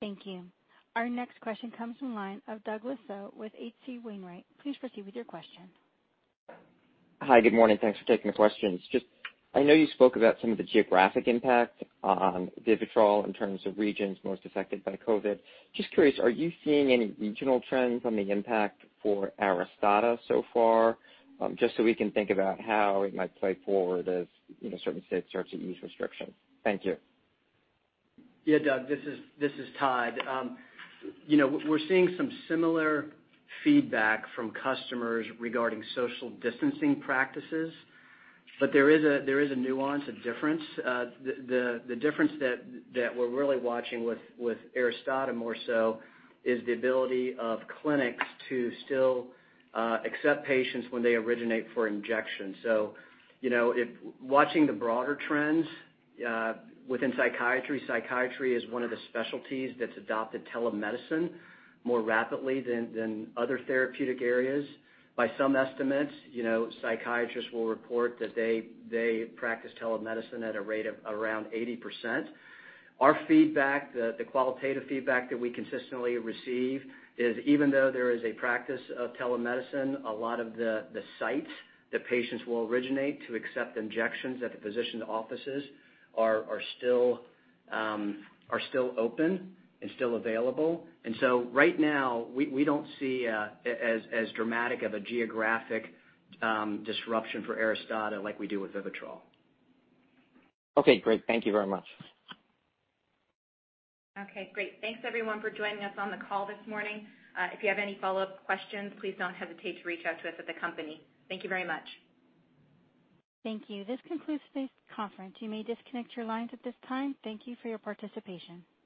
Thank you. Our next question comes from line of Douglas Tsao with H.C. Wainwright. Please proceed with your question. Hi. Good morning. Thanks for taking the questions. Just, I know you spoke about some of the geographic impact on VIVITROL in terms of regions most affected by COVID. Just curious, are you seeing any regional trends on the impact for ARISTADA so far? Just so we can think about how it might play forward as certain states start to ease restrictions. Thank you. Yeah, Doug, this is Todd. We're seeing some similar feedback from customers regarding social distancing practices. There is a nuance, a difference. The difference that we're really watching with ARISTADA more so is the ability of clinics to still accept patients when they originate for injection. Watching the broader trends within psychiatry is one of the specialties that's adopted telemedicine more rapidly than other therapeutic areas. By some estimates, psychiatrists will report that they practice telemedicine at a rate of around 80%. Our feedback, the qualitative feedback that we consistently receive is even though there is a practice of telemedicine, a lot of the sites that patients will originate to accept injections at the physician offices are still open and still available. Right now, we don't see as dramatic of a geographic disruption for ARISTADA like we do with VIVITROL. Okay, great. Thank you very much. Okay, great. Thanks, everyone, for joining us on the call this morning. If you have any follow-up questions, please don't hesitate to reach out to us at the company. Thank you very much. Thank you. This concludes today's conference. You may disconnect your lines at this time. Thank you for your participation.